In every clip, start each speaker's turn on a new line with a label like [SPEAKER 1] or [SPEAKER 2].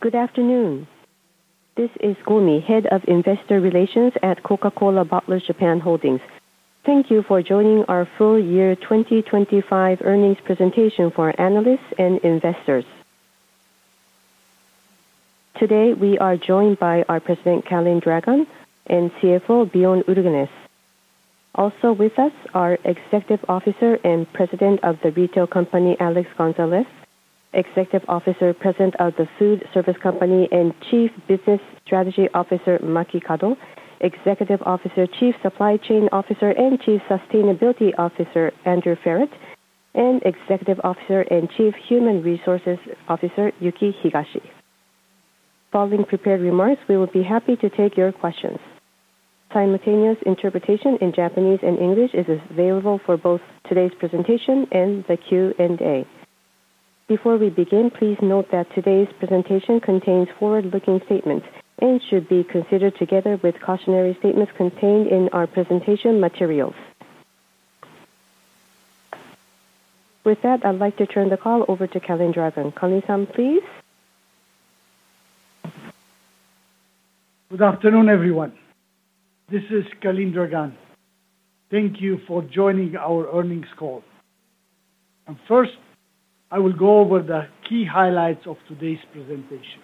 [SPEAKER 1] Good afternoon. This is Gomi, Head of Investor Relations at Coca-Cola Bottlers Japan Holdings. Thank you for joining our full year 2025 earnings presentation for analysts and investors. Today, we are joined by our President, Calin Dragan, and CFO, Bjorn Ulgenes. Also with us, our Executive Officer and President of the Retail Company, Alex Gonzalez. Executive Officer, President of the Food Service Company, and Chief Business Strategy Officer, Maki Kado. Executive Officer, Chief Supply Chain Officer, and Chief Sustainability Officer, Andrew Ferrett, and Executive Officer and Chief Human Resources Officer, Yuki Higashi. Following prepared remarks, we will be happy to take your questions. Simultaneous interpretation in Japanese and English is available for both today's presentation and the Q&A. Before we begin, please note that today's presentation contains forward-looking statements and should be considered together with cautionary statements contained in our presentation materials. With that, I'd like to turn the call over to Calin Dragan. Calin, please.
[SPEAKER 2] Good afternoon, everyone. This is Calin Dragan. Thank you for joining our earnings call. First, I will go over the key highlights of today's presentation.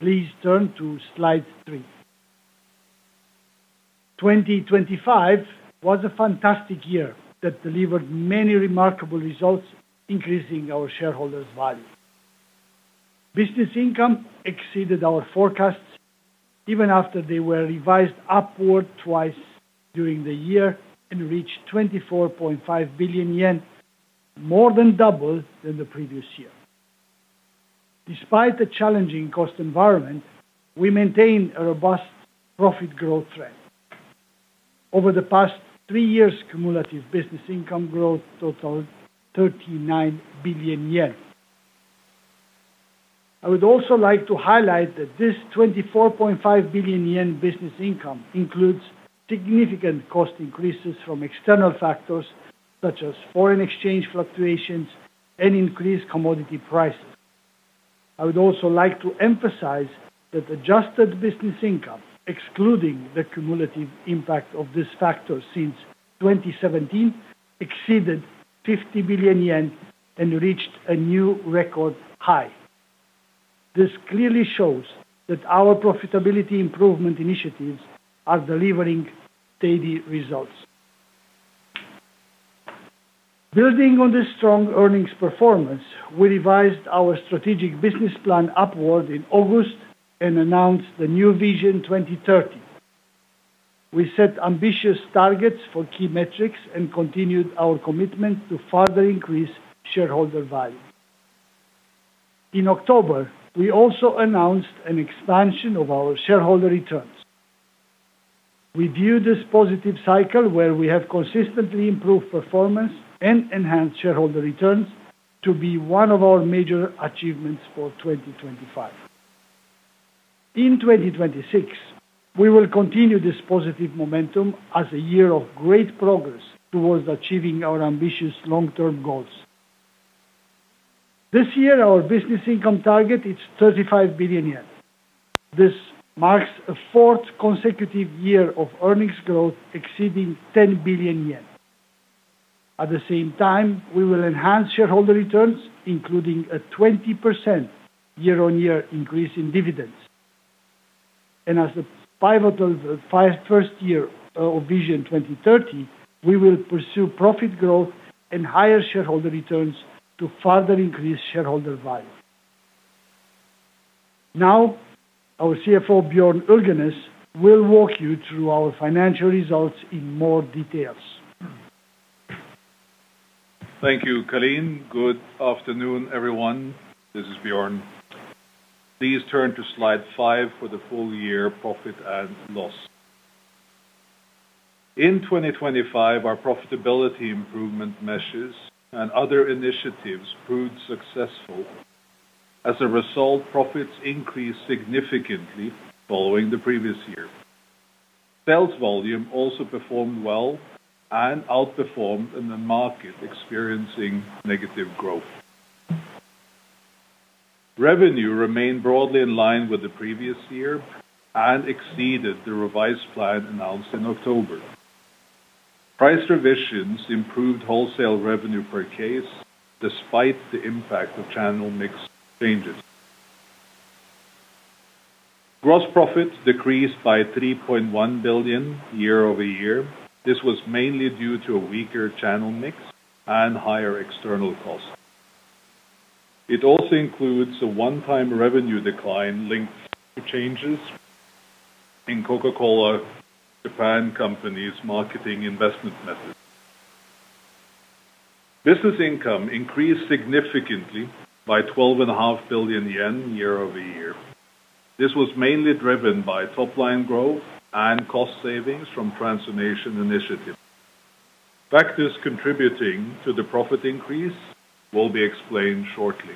[SPEAKER 2] Please turn to slide three. 2025 was a fantastic year that delivered many remarkable results, increasing our shareholders' value. Business income exceeded our forecasts even after they were revised upward twice during the year and reached 24.5 billion yen, more than double than the previous year. Despite the challenging cost environment, we maintained a robust profit growth trend. Over the past three years, cumulative business income growth totaled 39 billion yen. I would also like to highlight that this 24.5 billion yen business income includes significant cost increases from external factors, such as foreign exchange fluctuations and increased commodity prices. I would also like to emphasize that adjusted business income, excluding the cumulative impact of this factor since 2017, exceeded 50 billion yen and reached a new record high. This clearly shows that our profitability improvement initiatives are delivering steady results. Building on this strong earnings performance, we revised our strategic business plan upward in August and announced the new Vision 2030. We set ambitious targets for key metrics and continued our commitment to further increase shareholder value. In October, we also announced an expansion of our shareholder returns. We view this positive cycle, where we have consistently improved performance and enhanced shareholder returns, to be one of our major achievements for 2025. In 2026, we will continue this positive momentum as a year of great progress towards achieving our ambitious long-term goals. This year, our business income target is 35 billion yen. This marks a fourth consecutive year of earnings growth exceeding 10 billion yen. At the same time, we will enhance shareholder returns, including a 20% year-on-year increase in dividends. And as a pivotal first year of Vision 2030, we will pursue profit growth and higher shareholder returns to further increase shareholder value. Now, our CFO, Bjorn Ulgenes, will walk you through our financial results in more details.
[SPEAKER 3] Thank you, Calin. Good afternoon, everyone. This is Bjorn. Please turn to slide five for the full year profit and loss. In 2025, our profitability improvement measures and other initiatives proved successful. As a result, profits increased significantly following the previous year. Sales volume also performed well and outperformed in the market, experiencing negative growth. Revenue remained broadly in line with the previous year and exceeded the revised plan announced in October. Price revisions improved wholesale revenue per case, despite the impact of channel mix changes. Gross profit decreased by 3.1 billion year-over-year. This was mainly due to a weaker channel mix and higher external costs. It also includes a one-time revenue decline linked to changes in Coca-Cola Japan Company's marketing investment methods. Business income increased significantly by 12.5 billion yen year-over-year. This was mainly driven by top-line growth and cost savings from transformation initiatives. Factors contributing to the profit increase will be explained shortly.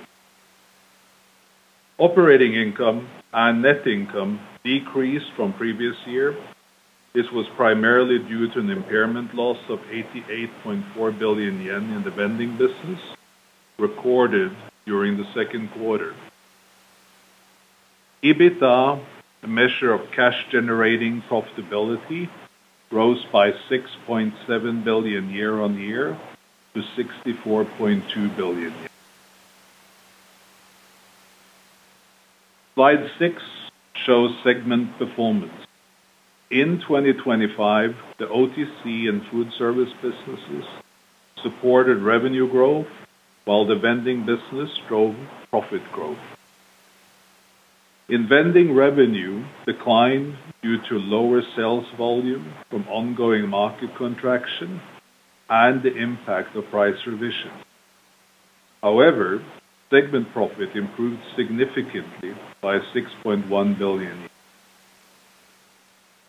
[SPEAKER 3] Operating income and net income decreased from previous year. This was primarily due to an impairment loss of 88.4 billion yen in the Vending business, recorded during the second quarter. EBITDA, a measure of cash-generating profitability, rose by 6.7 billion year-on-year, to 64.2 billion. Slide six shows segment performance. In 2025, the OTC Food Service businesses supported revenue growth, while the Vending business drove profit growth. In Vending, revenue declined due to lower sales volume from ongoing market contraction and the impact of price revisions. However, segment profit improved significantly by 6.1 billion.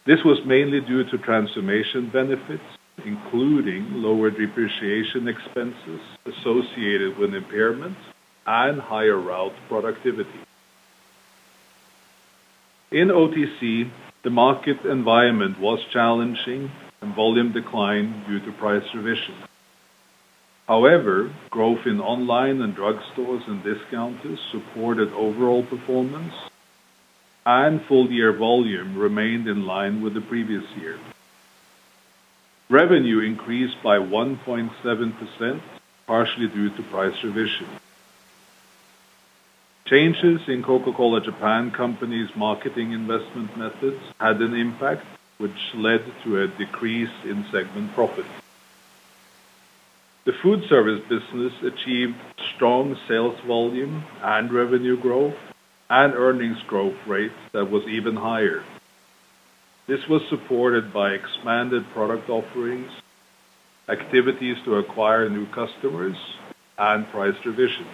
[SPEAKER 3] This was mainly due to transformation benefits, including lower depreciation expenses associated with impairments and higher route productivity. In OTC, the market environment was challenging, and volume declined due to price revisions. However, growth in online and drugstores and discounters supported overall performance, and full-year volume remained in line with the previous year. Revenue increased by 1.7%, partially due to price revisions. Changes in Coca-Cola Japan Company's marketing investment methods had an impact, which led to a decrease in segment profit. Food Service business achieved strong sales volume and revenue growth, and earnings growth rate that was even higher. This was supported by expanded product offerings, activities to acquire new customers, and price revisions.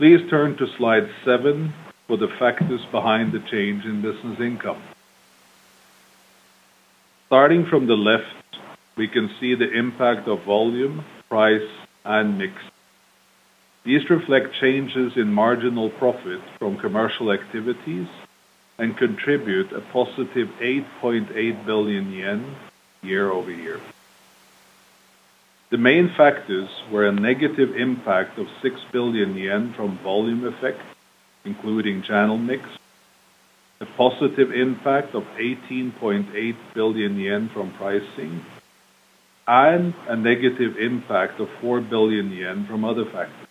[SPEAKER 3] Please turn to slide seven for the factors behind the change in business income. Starting from the left, we can see the impact of volume, price, and mix. These reflect changes in marginal profit from commercial activities and contribute a +JPY 8.8 billion year-over-year. The main factors were a negative impact of 6 billion yen from volume effects, including channel mix, a positive impact of 18.8 billion yen from pricing, and a negative impact of 4 billion yen from other factors.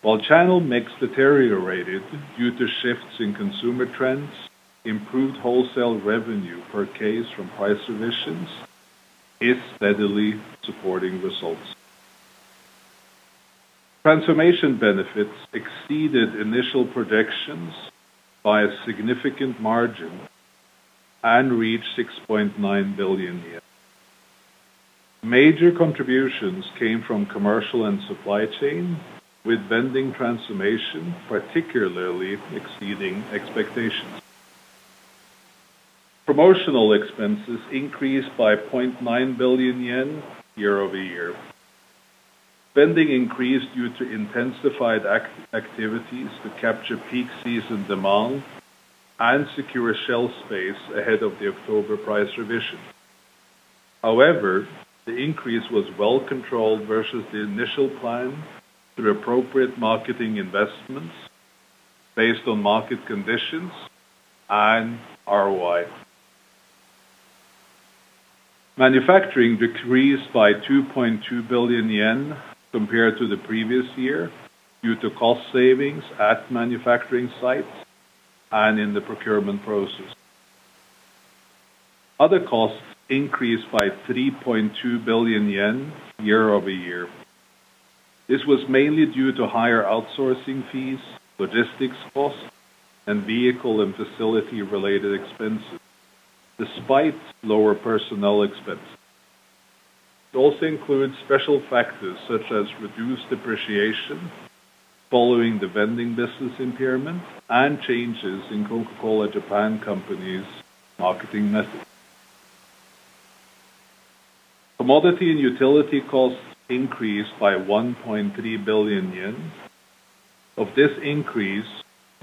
[SPEAKER 3] While channel mix deteriorated due to shifts in consumer trends, improved wholesale revenue per case from price revisions is steadily supporting results. Transformation benefits exceeded initial projections by a significant margin and reached 6.9 billion. Major contributions came from commercial and supply chain, with Vending transformation particularly exceeding expectations. Promotional expenses increased by 0.9 billion yen year-over-year. Spending increased due to intensified activities to capture peak season demand and secure shelf space ahead of the October price revision. However, the increase was well controlled versus the initial plan, through appropriate marketing investments based on market conditions and ROI. Manufacturing decreased by 2.2 billion yen compared to the previous year, due to cost savings at manufacturing sites and in the procurement process. Other costs increased by 3.2 billion yen year-over-year. This was mainly due to higher outsourcing fees, logistics costs, and vehicle and facility-related expenses, despite lower personnel expenses. It also includes special factors such as reduced depreciation following the Vending business impairment and changes in Coca-Cola Japan Company's marketing methods. Commodity and utility costs increased by 1.3 billion yen. Of this increase,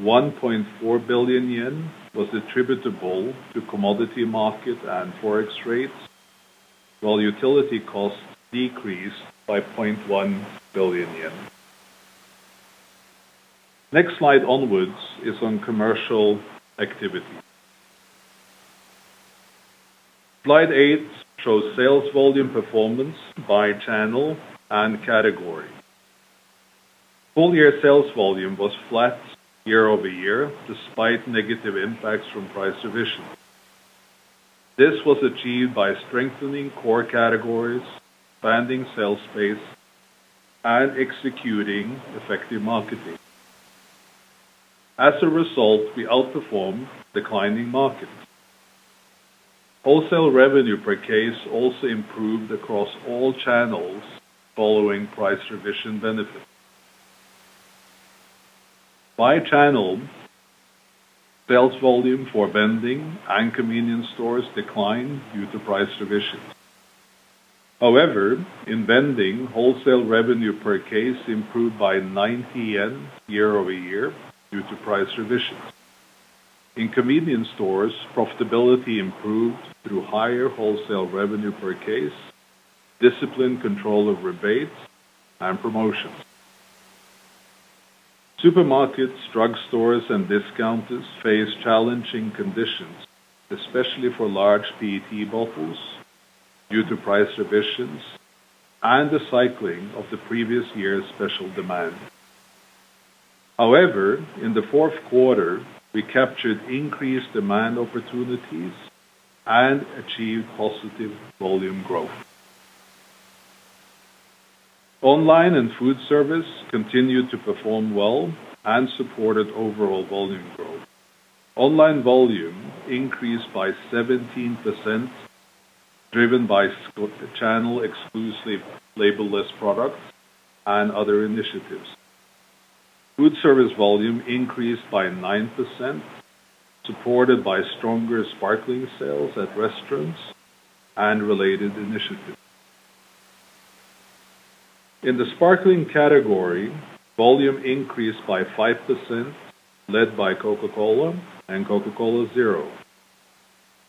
[SPEAKER 3] 1.4 billion yen was attributable to commodity market and forex rates, while utility costs decreased by 0.1 billion yen. Next slide onwards is on commercial activities. Slide eight shows sales volume performance by channel and category. Full-year sales volume was flat year-over-year, despite negative impacts from price revisions. This was achieved by strengthening core categories, expanding shelf space, and executing effective marketing. As a result, we outperformed declining markets. Wholesale revenue per case also improved across all channels following price revision benefits. By channel, sales volume for Vending and convenience stores declined due to price revisions. However, in Vending, wholesale revenue per case improved by 90 yen year-over-year due to price revisions. In convenience stores, profitability improved through higher wholesale revenue per case, disciplined control over rebates, and promotions. Supermarkets, drugstores, and discounters faced challenging conditions, especially for large PET bottles, due to price revisions and the cycling of the previous year's special demand. However, in the fourth quarter, we captured increased demand opportunities and achieved positive volume growth. Online and Food Service continued to perform well and supported overall volume growth. Online volume increased by 17%, driven by channel-exclusive label-less products and other initiatives. Food Service volume increased by 9%, supported by stronger sparkling sales at restaurants and related initiatives. In the sparkling category, volume increased by 5%, led by Coca-Cola and Coca-Cola Zero.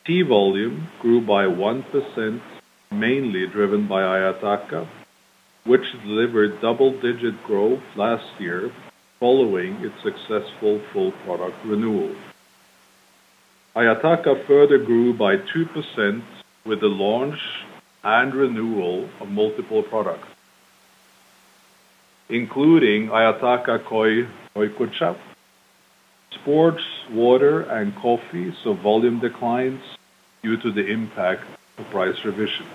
[SPEAKER 3] Tea volume grew by 1%, mainly driven by Ayataka, which delivered double-digit growth last year following its successful full product renewal. Ayataka further grew by 2% with the launch and renewal of multiple products, including Ayataka Koi Ryokucha, sports, water, and coffee, so volume declines due to the impact of price revision.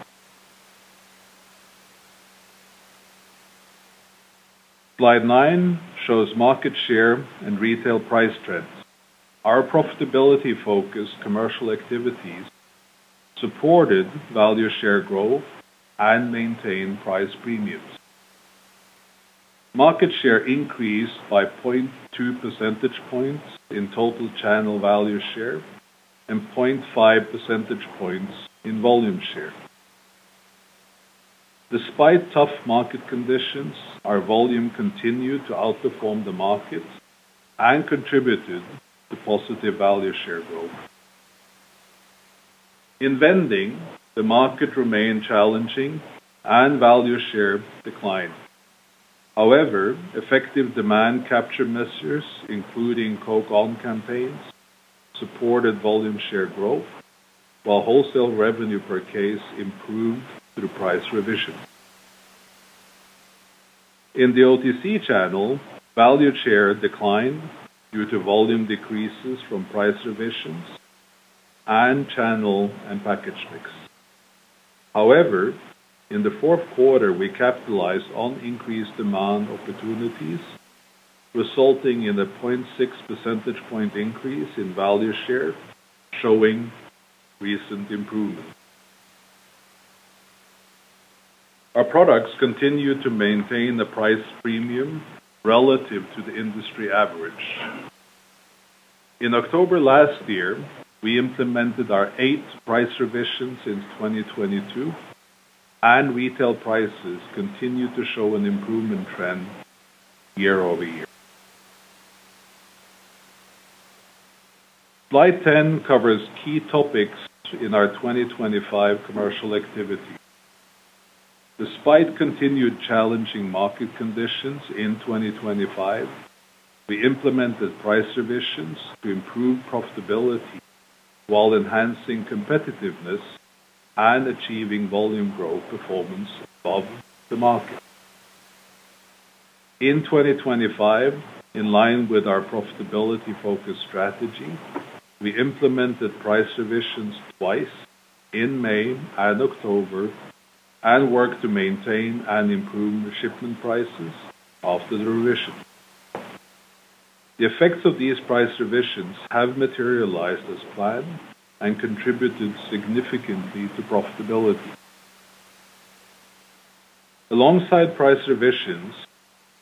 [SPEAKER 3] Slide nine shows market share and retail price trends. Our profitability-focused commercial activities supported value share growth and maintained price premiums. Market share increased by 0.2 percentage points in total channel value share and 0.5 percentage points in volume share. Despite tough market conditions, our volume continued to outperform the market and contributed to positive value share growth. In Vending, the market remained challenging and value share declined. However, effective demand capture measures, including Coke ON campaigns, supported volume share growth, while wholesale revenue per case improved through price revisions. In the OTC channel, value share declined due to volume decreases from price revisions and channel and package mix. However, in the fourth quarter, we capitalized on increased demand opportunities, resulting in a 0.6 percentage point increase in value share, showing recent improvement. Our products continued to maintain the price premium relative to the industry average. In October last year, we implemented our 8th price revision since 2022, and retail prices continue to show an improvement trend year over year. Slide 10 covers key topics in our 2025 commercial activity. Despite continued challenging market conditions in 2025, we implemented price revisions to improve profitability while enhancing competitiveness and achieving volume growth performance above the market. In 2025, in line with our profitability-focused strategy, we implemented price revisions twice in May and October and worked to maintain and improve the shipment prices after the revisions. The effects of these price revisions have materialized as planned and contributed significantly to profitability. Alongside price revisions,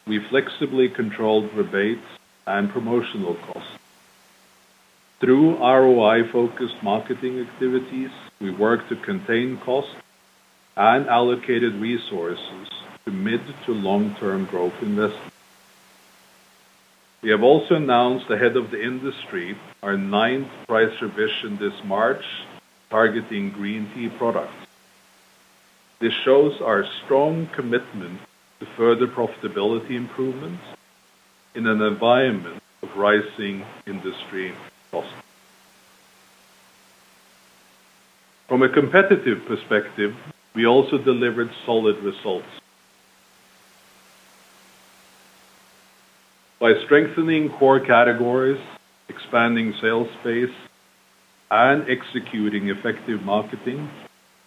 [SPEAKER 3] we flexibly controlled rebates and promotional costs. Through ROI-focused marketing activities, we worked to contain costs and allocated resources to mid to long-term growth investments. We have also announced ahead of the industry, our ninth price revision this March, targeting green tea products. This shows our strong commitment to further profitability improvements in an environment of rising industry costs. From a competitive perspective, we also delivered solid results. By strengthening core categories, expanding sales space, and executing effective marketing,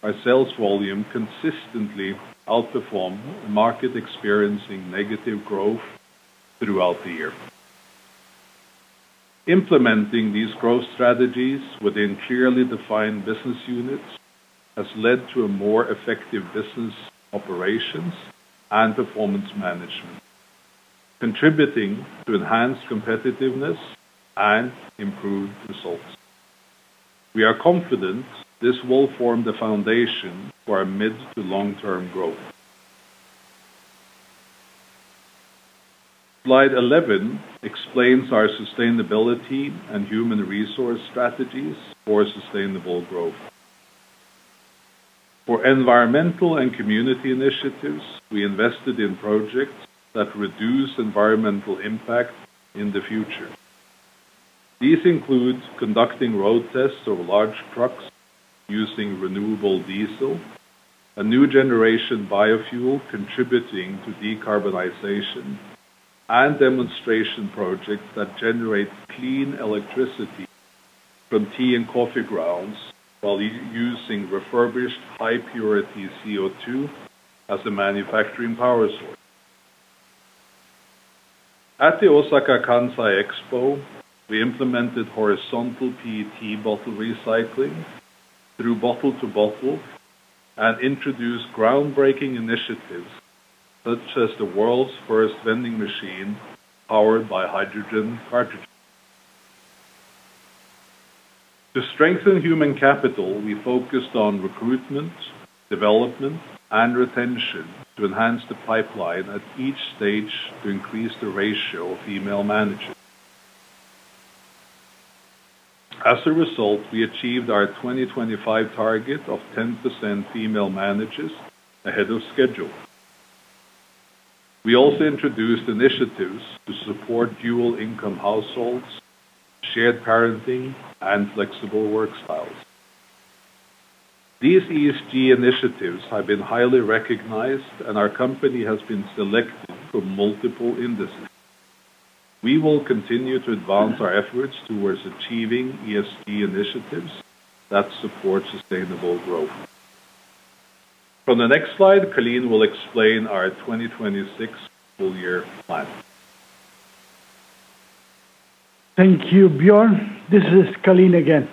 [SPEAKER 3] our sales volume consistently outperformed the market, experiencing negative growth throughout the year. Implementing these growth strategies within clearly defined business units has led to a more effective business operations and performance management, contributing to enhanced competitiveness and improved results. We are confident this will form the foundation for our mid- to long-term growth. Slide 11 explains our sustainability and human resource strategies for sustainable growth. For environmental and community initiatives, we invested in projects that reduce environmental impact in the future. These include conducting road tests of large trucks using renewable diesel, a new generation biofuel contributing to decarbonization, and demonstration projects that generate clean electricity from tea and coffee grounds, while using refurbished high-purity CO2 as a manufacturing power source. At the Osaka-Kansai Expo, we implemented horizontal PET bottle recycling through bottle-to-bottle, and introduced groundbreaking initiatives, such as the world's first Vending machine powered by hydrogen cartridges. To strengthen human capital, we focused on recruitment, development, and retention to enhance the pipeline at each stage to increase the ratio of female managers. As a result, we achieved our 2025 target of 10% female managers ahead of schedule. We also introduced initiatives to support dual-income households, shared parenting, and flexible work styles. These ESG initiatives have been highly recognized, and our company has been selected for multiple indices. We will continue to advance our efforts towards achieving ESG initiatives that support sustainable growth. On the next slide, Calin will explain our 2026 full-year plan.
[SPEAKER 2] Thank you, Bjorn. This is Calin again.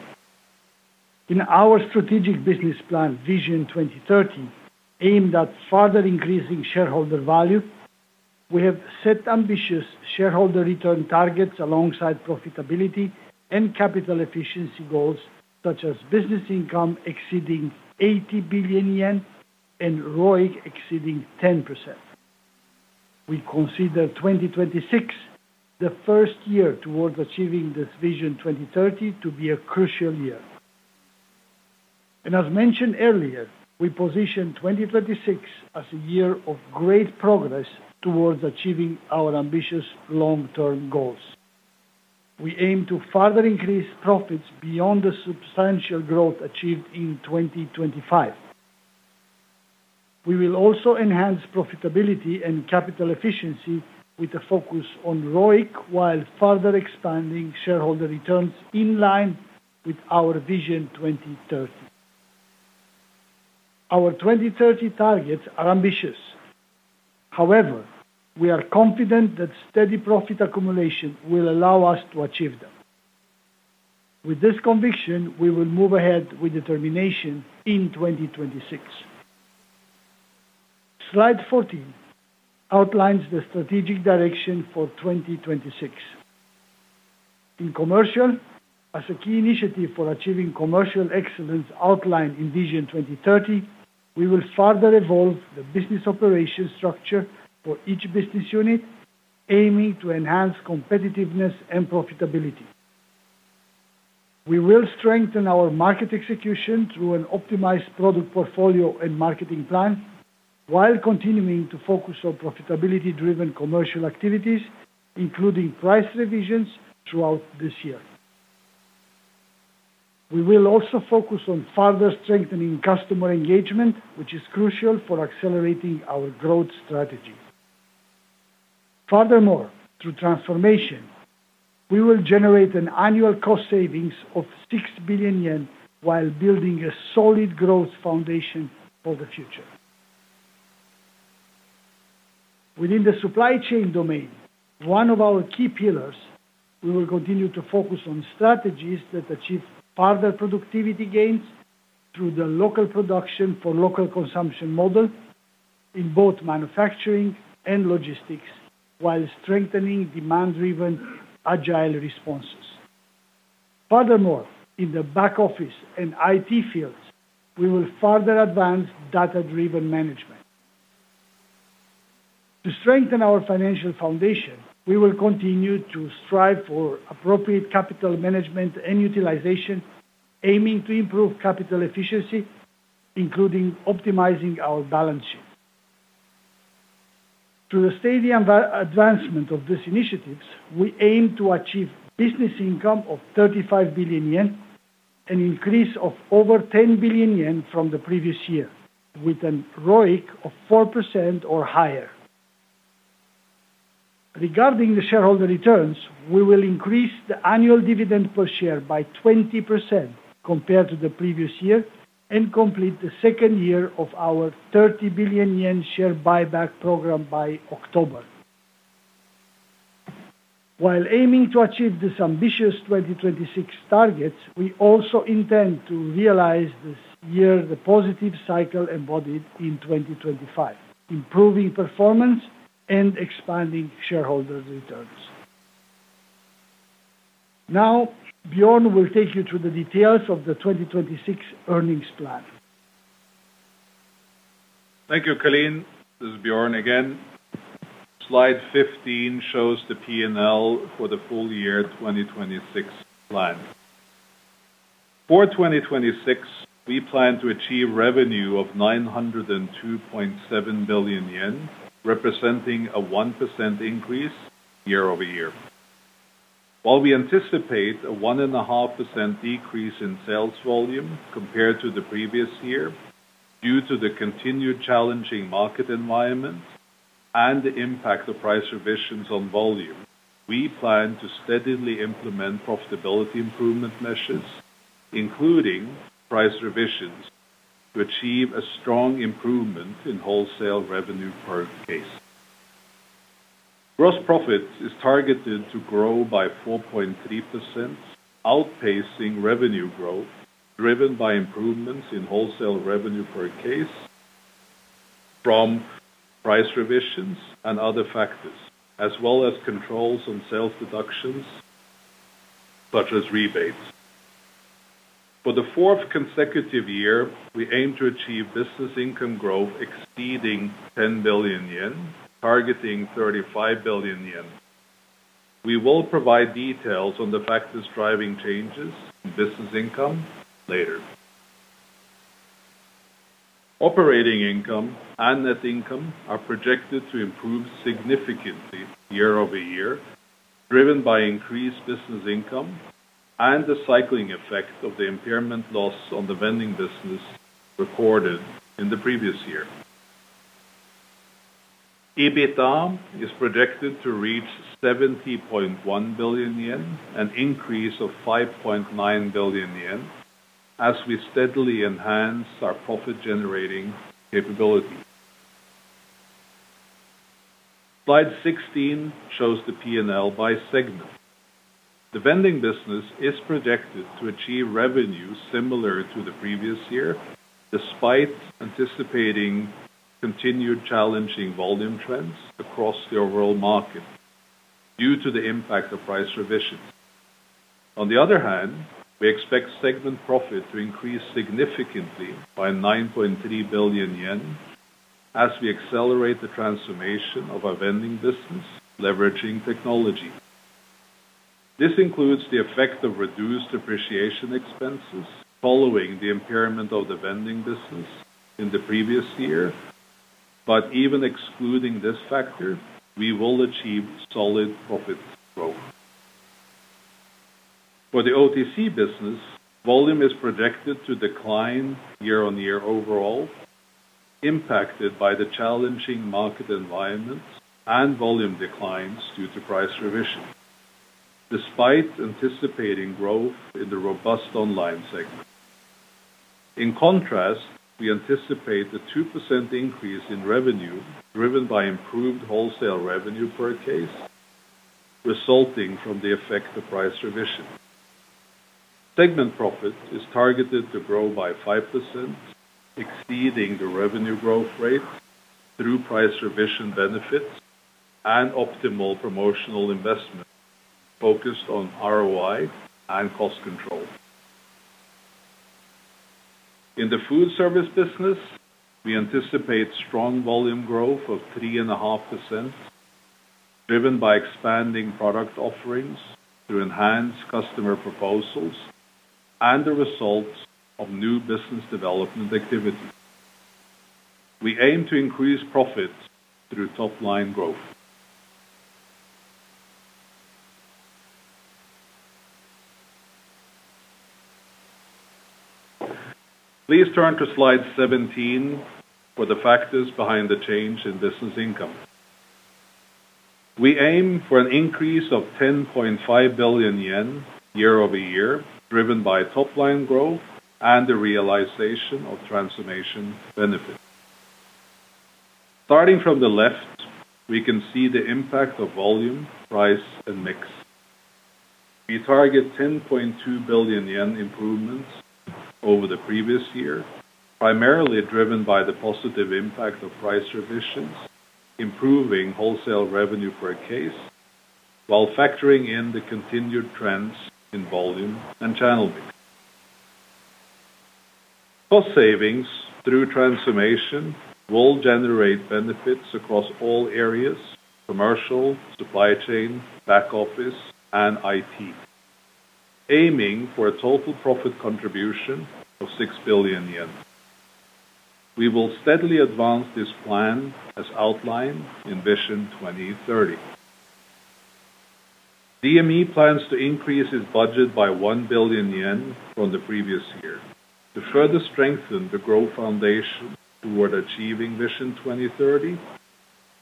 [SPEAKER 2] In our strategic business plan, Vision 2030, aimed at further increasing shareholder value, we have set ambitious shareholder return targets alongside profitability and capital efficiency goals, such as business income exceeding 80 billion yen and ROIC exceeding 10%. We consider 2026, the first year towards achieving this Vision 2030, to be a crucial year. As mentioned earlier, we position 2026 as a year of great progress towards achieving our ambitious long-term goals. We aim to further increase profits beyond the substantial growth achieved in 2025. We will also enhance profitability and capital efficiency with a focus on ROIC, while further expanding shareholder returns in line with our Vision 2030. Our 2030 targets are ambitious. However, we are confident that steady profit accumulation will allow us to achieve them. With this conviction, we will move ahead with determination in 2026. Slide 14 outlines the strategic direction for 2026. In commercial, as a key initiative for achieving commercial excellence outlined in Vision 2030, we will further evolve the business operations structure for each business unit, aiming to enhance competitiveness and profitability. We will strengthen our market execution through an optimized product portfolio and marketing plan, while continuing to focus on profitability-driven commercial activities, including price revisions throughout this year. We will also focus on further strengthening customer engagement, which is crucial for accelerating our growth strategy. Furthermore, through transformation, we will generate an annual cost savings of 6 billion yen while building a solid growth foundation for the future. Within the supply chain domain, one of our key pillars, we will continue to focus on strategies that achieve further productivity gains through the local production for local consumption model in both manufacturing and logistics, while strengthening demand-driven agile responses. Furthermore, in the back office and IT fields, we will further advance data-driven management. To strengthen our financial foundation, we will continue to strive for appropriate capital management and utilization, aiming to improve capital efficiency, including optimizing our balance sheet. To the steady advancement of these initiatives, we aim to achieve business income of 35 billion yen, an increase of over 10 billion yen from the previous year, with an ROIC of 4% or higher. Regarding the shareholder returns, we will increase the annual dividend per share by 20% compared to the previous year and complete the second year of our 30 billion yen share buyback program by October. While aiming to achieve this ambitious 2026 target, we also intend to realize this year the positive cycle embodied in 2025, improving performance and expanding shareholder returns. Now, Bjorn will take you through the details of the 2026 earnings plan.
[SPEAKER 3] Thank you, Calin. This is Bjorn again. Slide 15 shows the P&L for the full year 2026 plan. For 2026, we plan to achieve revenue of 902.7 billion yen, representing a 1% increase year-over-year. While we anticipate a 1.5% decrease in sales volume compared to the previous year, due to the continued challenging market environment and the impact of price revisions on volume, we plan to steadily implement profitability improvement measures, including price revisions, to achieve a strong improvement in wholesale revenue per case. Gross profit is targeted to grow by 4.3%, outpacing revenue growth, driven by improvements in wholesale revenue per case from price revisions and other factors, as well as controls on sales deductions, such as rebates. For the fourth consecutive year, we aim to achieve business income growth exceeding 10 billion yen, targeting 35 billion yen. We will provide details on the factors driving changes in business income later. Operating income and net income are projected to improve significantly year-over-year, driven by increased business income and the cycling effect of the impairment loss on the Vending business recorded in the previous year. EBITDA is projected to reach 70.1 billion yen, an increase of 5.9 billion yen, as we steadily enhance our profit-generating capabilities. Slide 16 shows the P&L by segment. The Vending business is projected to achieve revenue similar to the previous year, despite anticipating continued challenging volume trends across the overall market due to the impact of price revisions. On the other hand, we expect segment profit to increase significantly by 9.3 billion yen as we accelerate the transformation of our Vending business, leveraging technology. This includes the effect of reduced depreciation expenses following the impairment of the Vending business in the previous year, but even excluding this factor, we will achieve solid profit growth. For the OTC business, volume is projected to decline year-on-year overall, impacted by the challenging market environment and volume declines due to price revision, despite anticipating growth in the robust online segment. In contrast, we anticipate a 2% increase in revenue driven by improved wholesale revenue per case, resulting from the effect of price revision. Segment profit is targeted to grow by 5%, exceeding the revenue growth rate through price revision benefits and optimal promotional investment focused on ROI and cost control. In the Food Service business, we anticipate strong volume growth of 3.5%, driven by expanding product offerings to enhance customer proposals and the results of new business development activities. We aim to increase profits through top-line growth. Please turn to slide 17 for the factors behind the change in business income. We aim for an increase of 10.5 billion yen year-over-year, driven by top-line growth and the realization of transformation benefits. Starting from the left, we can see the impact of volume, price, and mix. We target 10.2 billion yen improvements over the previous year, primarily driven by the positive impact of price revisions, improving wholesale revenue per case, while factoring in the continued trends in volume and channel mix. Cost savings through transformation will generate benefits across all areas: commercial, supply chain, back office, and IT, aiming for a total profit contribution of 6 billion yen. We will steadily advance this plan as outlined in Vision 2030. DME plans to increase its budget by 1 billion yen from the previous year. To further strengthen the growth foundation toward achieving Vision 2030,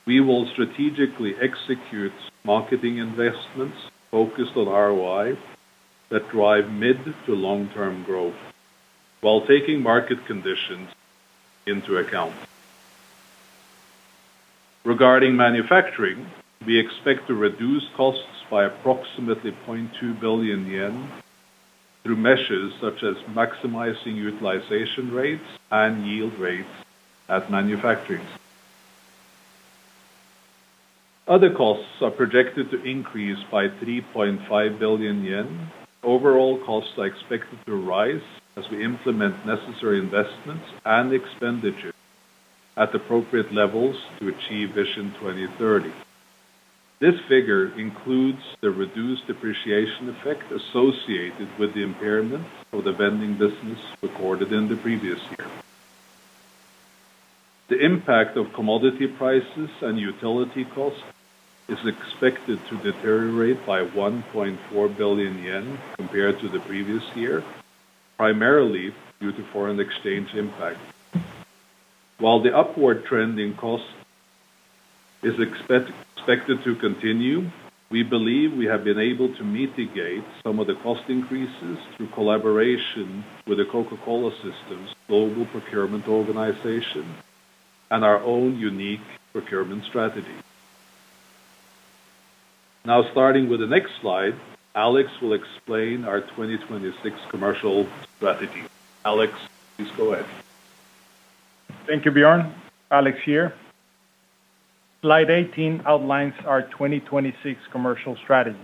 [SPEAKER 3] we will strategically execute marketing investments focused on ROI that drive mid- to long-term growth while taking market conditions into account. Regarding manufacturing, we expect to reduce costs by approximately 0.2 billion yen, through measures such as maximizing utilization rates and yield rates at manufacturing. Other costs are projected to increase by 3.5 billion yen. Overall, costs are expected to rise as we implement necessary investments and expenditures at appropriate levels to achieve Vision 2030. This figure includes the reduced depreciation effect associated with the impairment of the Vending business recorded in the previous year. The impact of commodity prices and utility costs is expected to deteriorate by 1.4 billion yen compared to the previous year, primarily due to foreign exchange impact. While the upward trend in costs is expected to continue, we believe we have been able to mitigate some of the cost increases through collaboration with the Coca-Cola system's global procurement organization and our own unique procurement strategy. Now, starting with the next slide, Alex will explain our 2026 commercial strategy. Alex, please go ahead.
[SPEAKER 4] Thank you, Bjorn. Alex here. Slide 18 outlines our 2026 commercial strategy.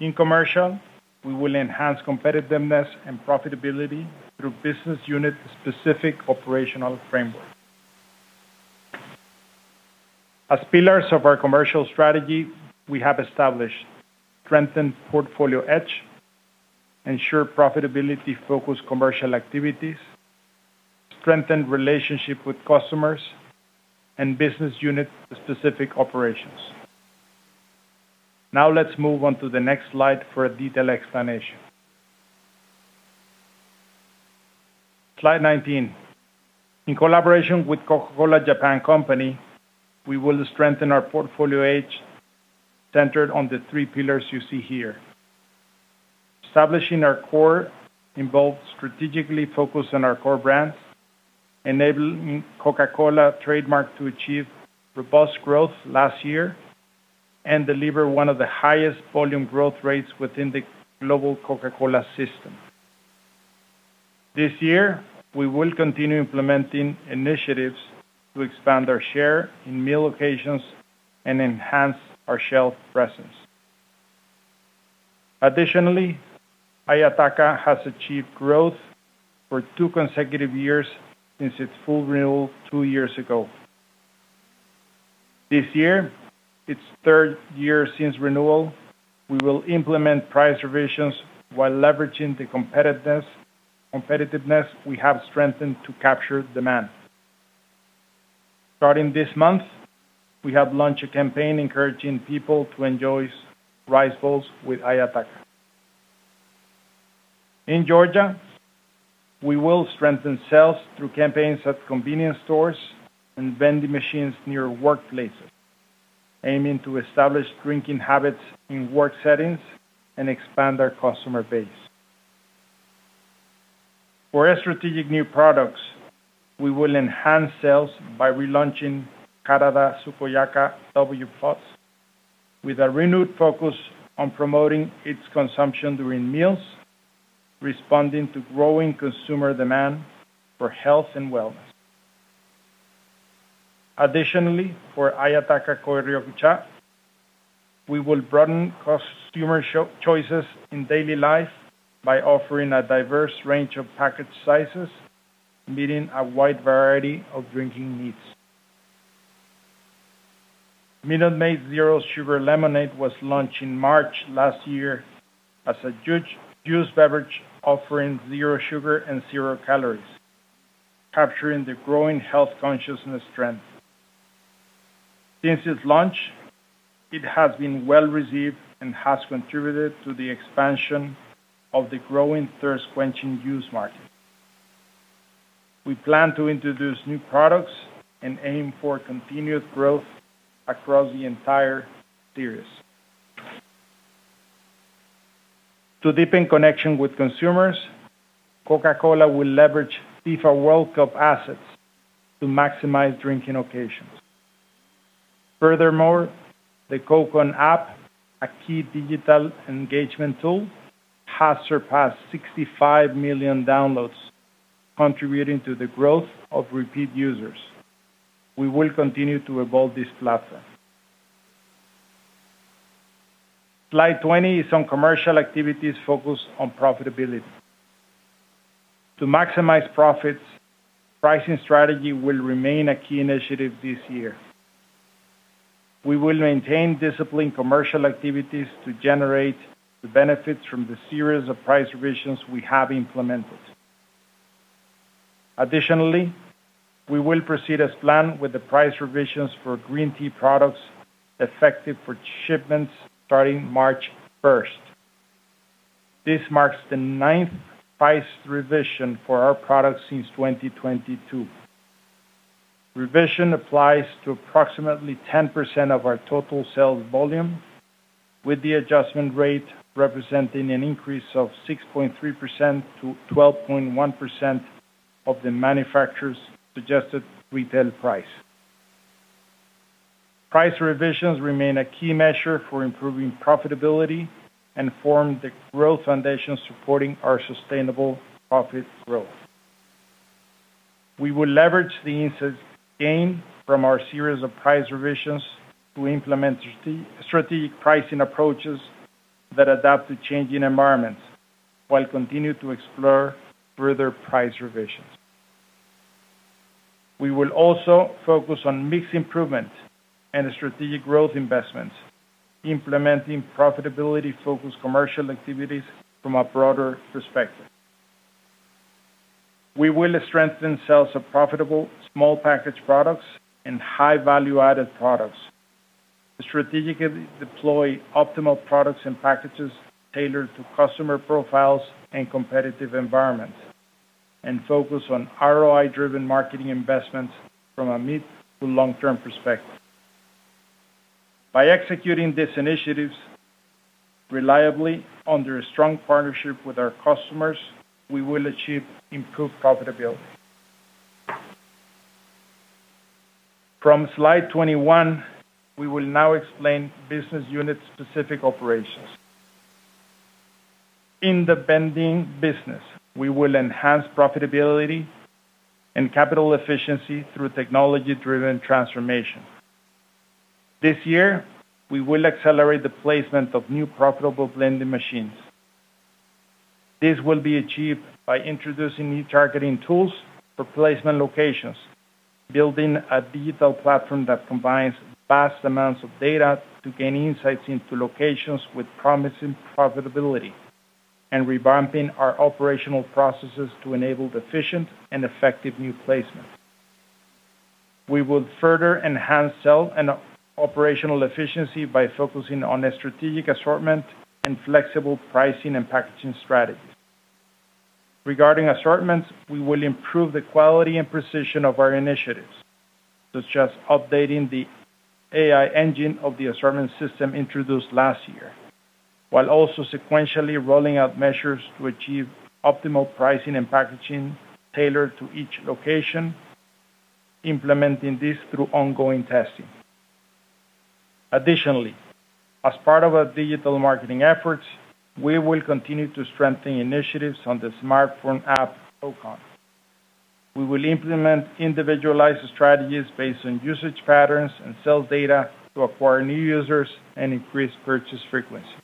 [SPEAKER 4] In commercial, we will enhance competitiveness and profitability through business unit-specific operational framework. As pillars of our commercial strategy, we have established: strengthen portfolio edge, ensure profitability, focus commercial activities, strengthen relationship with customers, and business unit-specific operations. Now, let's move on to the next slide for a detailed explanation. Slide 19. In collaboration with Coca-Cola Japan Company, we will strengthen our portfolio edge, centered on the three pillars you see here. Establishing our core involves strategically focusing on our core brands, enabling Coca-Cola trademark to achieve robust growth last year, and deliver one of the highest volume growth rates within the global Coca-Cola system. This year, we will continue implementing initiatives to expand our share in meal occasions and enhance our shelf presence. Additionally, Ayataka has achieved growth for two consecutive years since its full renewal two years ago. This year, its third year since renewal, we will implement price revisions while leveraging the competitiveness we have strengthened to capture demand. Starting this month, we have launched a campaign encouraging people to enjoy rice bowls with Ayataka. In Georgia, we will strengthen sales through campaigns at convenience stores and Vending machines near workplaces, aiming to establish drinking habits in work settings and expand our customer base. For our strategic new products, we will enhance sales by relaunching Karada Sukoyaka W+, with a renewed focus on promoting its consumption during meals, responding to growing consumer demand for health and wellness. Additionally, for Ayataka Koi Ryokucha, we will broaden customer choices in daily life by offering a diverse range of package sizes, meeting a wide variety of drinking needs. Minute Maid Zero Sugar Lemonade was launched in March last year as a juice beverage offering zero sugar and zero calories, capturing the growing health consciousness trend. Since its launch, it has been well-received and has contributed to the expansion of the growing thirst-quenching juice market. We plan to introduce new products and aim for continued growth across the entire series. To deepen connection with consumers, Coca-Cola will leverage FIFA World Cup assets to maximize drinking occasions. Furthermore, the Coke ON app, a key digital engagement tool, has surpassed 65 million downloads, contributing to the growth of repeat users. We will continue to evolve this platform. Slide 20 is on commercial activities focused on profitability. To maximize profits, pricing strategy will remain a key initiative this year. We will maintain disciplined commercial activities to generate the benefits from the series of price revisions we have implemented. Additionally, we will proceed as planned with the price revisions for green tea products, effective for shipments starting March 1st. This marks the ninth price revision for our products since 2022. Revision applies to approximately 10% of our total sales volume, with the adjustment rate representing an increase of 6.3%-12.1% of the manufacturer's suggested retail price. Price revisions remain a key measure for improving profitability and form the growth foundation supporting our sustainable profit growth. We will leverage the insights gained from our series of price revisions to implement strategic pricing approaches that adapt to changing environments, while continuing to explore further price revisions. We will also focus on mix improvement and strategic growth investments, implementing profitability-focused commercial activities from a broader perspective. We will strengthen sales of profitable, small package products and high value-added products, strategically deploy optimal products and packages tailored to customer profiles and competitive environments, and focus on ROI-driven marketing investments from a mid to long-term perspective. By executing these initiatives reliably under a strong partnership with our customers, we will achieve improved profitability. From slide 21, we will now explain business unit-specific operations. In the Vending business, we will enhance profitability and capital efficiency through technology-driven transformation. This year, we will accelerate the placement of new profitable Vending machines. This will be achieved by introducing new targeting tools for placement locations, building a digital platform that combines vast amounts of data to gain insights into locations with promising profitability, and revamping our operational processes to enable efficient and effective new placement. We will further enhance sales and operational efficiency by focusing on a strategic assortment and flexible pricing and packaging strategies. Regarding assortments, we will improve the quality and precision of our initiatives, such as updating the AI engine of the assortment system introduced last year, while also sequentially rolling out measures to achieve optimal pricing and packaging tailored to each location, implementing this through ongoing testing. Additionally, as part of our digital marketing efforts, we will continue to strengthen initiatives on the smartphone app, Coke ON. We will implement individualized strategies based on usage patterns and sales data to acquire new users and increase purchase frequency.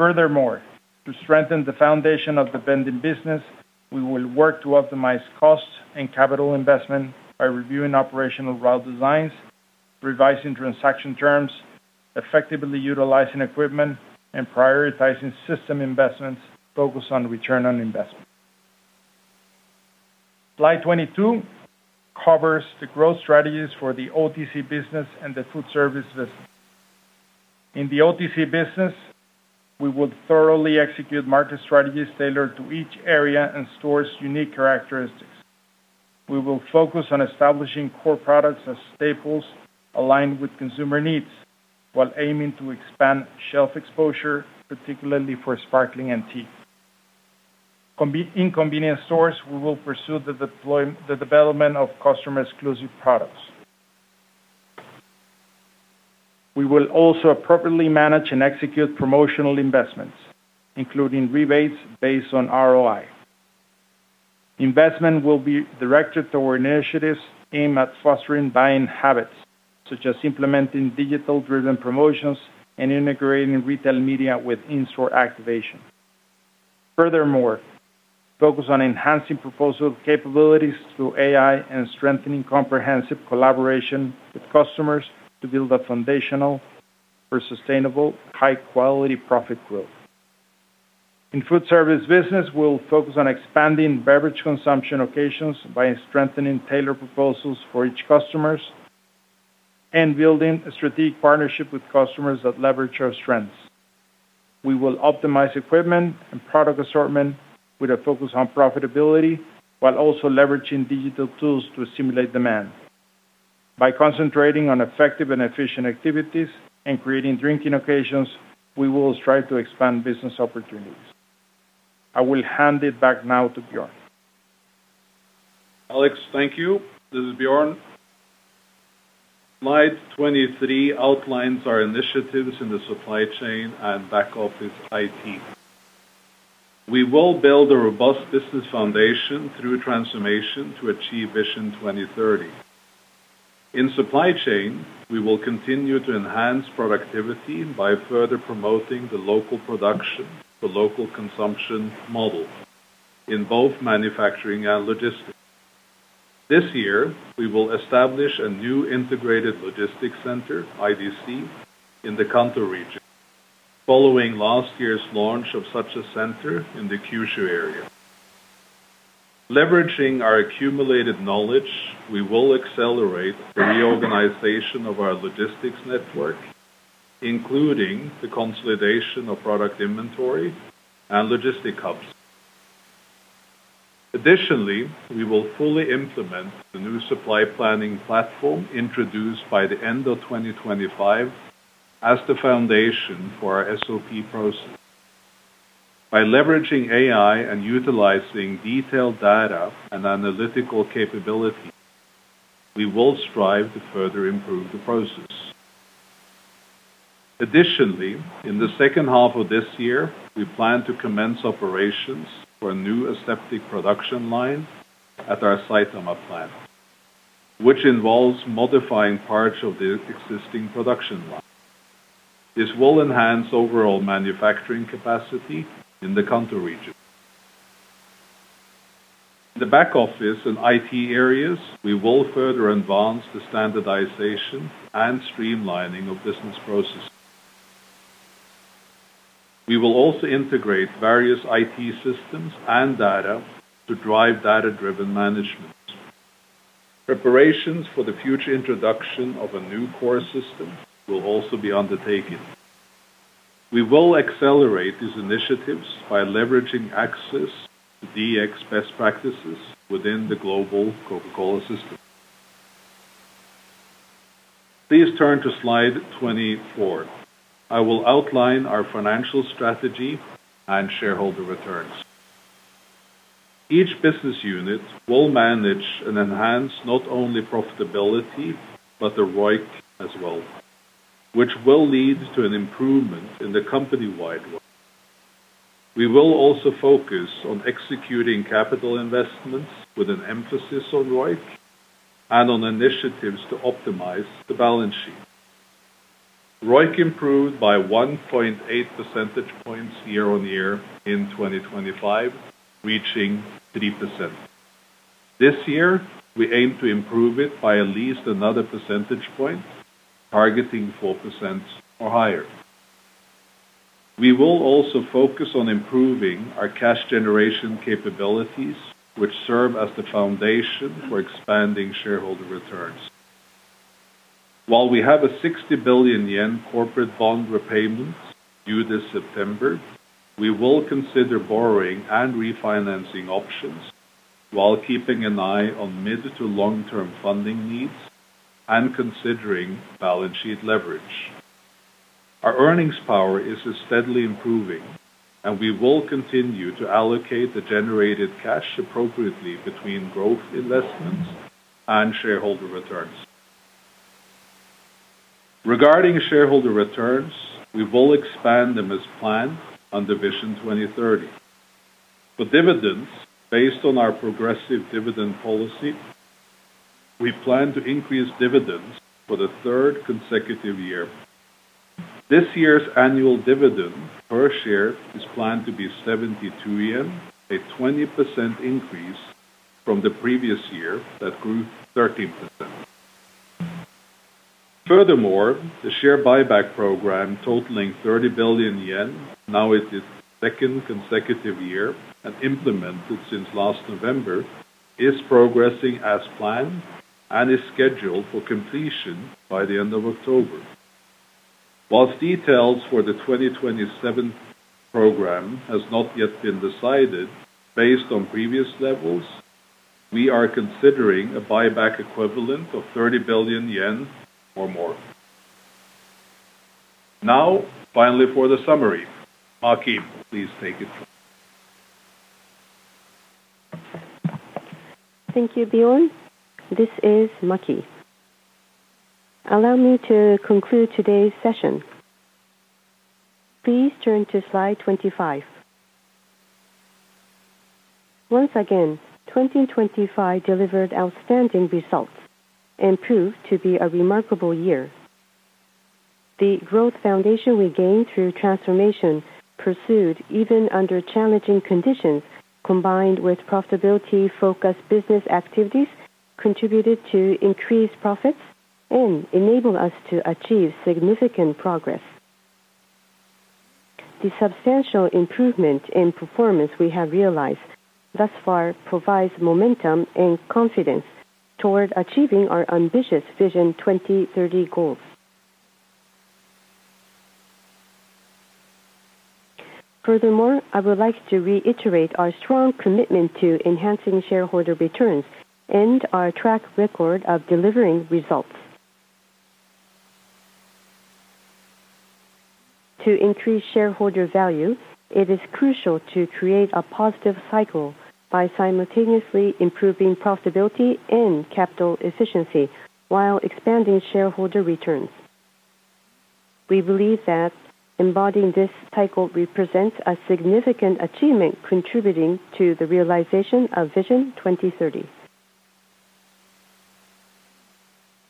[SPEAKER 4] Furthermore, to strengthen the foundation of the Vending business, we will work to optimize costs and capital investment by reviewing operational route designs, revising transaction terms, effectively utilizing equipment, and prioritizing system investments focused on return on investment. Slide 22 covers the growth strategies for the OTC business and the Food Service business. In the OTC business, we will thoroughly execute market strategies tailored to each area and store's unique characteristics. We will focus on establishing core products as staples aligned with consumer needs, while aiming to expand shelf exposure, particularly for sparkling and tea. In convenience stores, we will pursue the development of customer-exclusive products. We will also appropriately manage and execute promotional investments, including rebates based on ROI. Investment will be directed toward initiatives aimed at fostering buying habits, such as implementing digital-driven promotions and integrating retail media with in-store activation. Furthermore, focus on enhancing proposal capabilities through AI and strengthening comprehensive collaboration with customers to build a foundation for sustainable, high-quality profit growth. In Food Service business, we'll focus on expanding beverage consumption occasions by strengthening tailored proposals for each customers, and building a strategic partnership with customers that leverage our strengths. We will optimize equipment and product assortment with a focus on profitability, while also leveraging digital tools to stimulate demand. By concentrating on effective and efficient activities and creating drinking occasions, we will strive to expand business opportunities. I will hand it back now to Bjorn.
[SPEAKER 3] Alex, thank you. This is Bjorn. Slide 23 outlines our initiatives in the supply chain and back-office IT. We will build a robust business foundation through transformation to achieve Vision 2030. In supply chain, we will continue to enhance productivity by further promoting the local production to local consumption model in both manufacturing and logistics. This year, we will establish a new integrated logistics center, IDC, in the Kanto region, following last year's launch of such a center in the Kyushu area. Leveraging our accumulated knowledge, we will accelerate the reorganization of our logistics network, including the consolidation of product inventory and logistic hubs. Additionally, we will fully implement the new supply planning platform introduced by the end of 2025 as the foundation for our SOP process. By leveraging AI and utilizing detailed data and analytical capabilities, we will strive to further improve the process. Additionally, in the second half of this year, we plan to commence operations for a new aseptic production line at our Saitama plant, which involves modifying parts of the existing production line. This will enhance overall manufacturing capacity in the Kanto region. The back office and IT areas, we will further advance the standardization and streamlining of business processes. We will also integrate various IT systems and data to drive data-driven management. Preparations for the future introduction of a new core system will also be undertaken. We will accelerate these initiatives by leveraging access to DX best practices within the global Coca-Cola system. Please turn to slide 24. I will outline our financial strategy and shareholder returns. Each business unit will manage and enhance not only profitability, but the ROIC as well, which will lead to an improvement in the company-wide ROIC. We will also focus on executing capital investments with an emphasis on ROIC and on initiatives to optimize the balance sheet. ROIC improved by 1.8 percentage points year-on-year in 2025, reaching 3%. This year, we aim to improve it by at least another percentage point, targeting 4% or higher. We will also focus on improving our cash generation capabilities, which serve as the foundation for expanding shareholder returns. While we have a 60 billion yen corporate bond repayments due this September, we will consider borrowing and refinancing options while keeping an eye on mid- to long-term funding needs and considering balance sheet leverage. Our earnings power is steadily improving, and we will continue to allocate the generated cash appropriately between growth investments and shareholder returns. Regarding shareholder returns, we will expand them as planned under Vision 2030. For dividends, based on our progressive dividend policy, we plan to increase dividends for the third consecutive year. This year's annual dividend per share is planned to be 72 yen, a 20% increase from the previous year that grew 13%. Furthermore, the share buyback program, totaling 30 billion yen, now in its second consecutive year and implemented since last November, is progressing as planned and is scheduled for completion by the end of October. Whilst details for the 2027 program has not yet been decided, based on previous levels, we are considering a buyback equivalent of 30 billion yen or more. Now, finally, for the summary. Maki, please take it.
[SPEAKER 5] Thank you, Bjorn. This is Maki. Allow me to conclude today's session. Please turn to slide 25. Once again, 2025 delivered outstanding results and proved to be a remarkable year. The growth foundation we gained through transformation pursued even under challenging conditions, combined with profitability-focused business activities, contributed to increased profits and enabled us to achieve significant progress. The substantial improvement in performance we have realized thus far provides momentum and confidence toward achieving our ambitious Vision 2030 goals. Furthermore, I would like to reiterate our strong commitment to enhancing shareholder returns and our track record of delivering results. To increase shareholder value, it is crucial to create a positive cycle by simultaneously improving profitability and capital efficiency while expanding shareholder returns. We believe that embodying this cycle represents a significant achievement contributing to the realization of Vision 2030.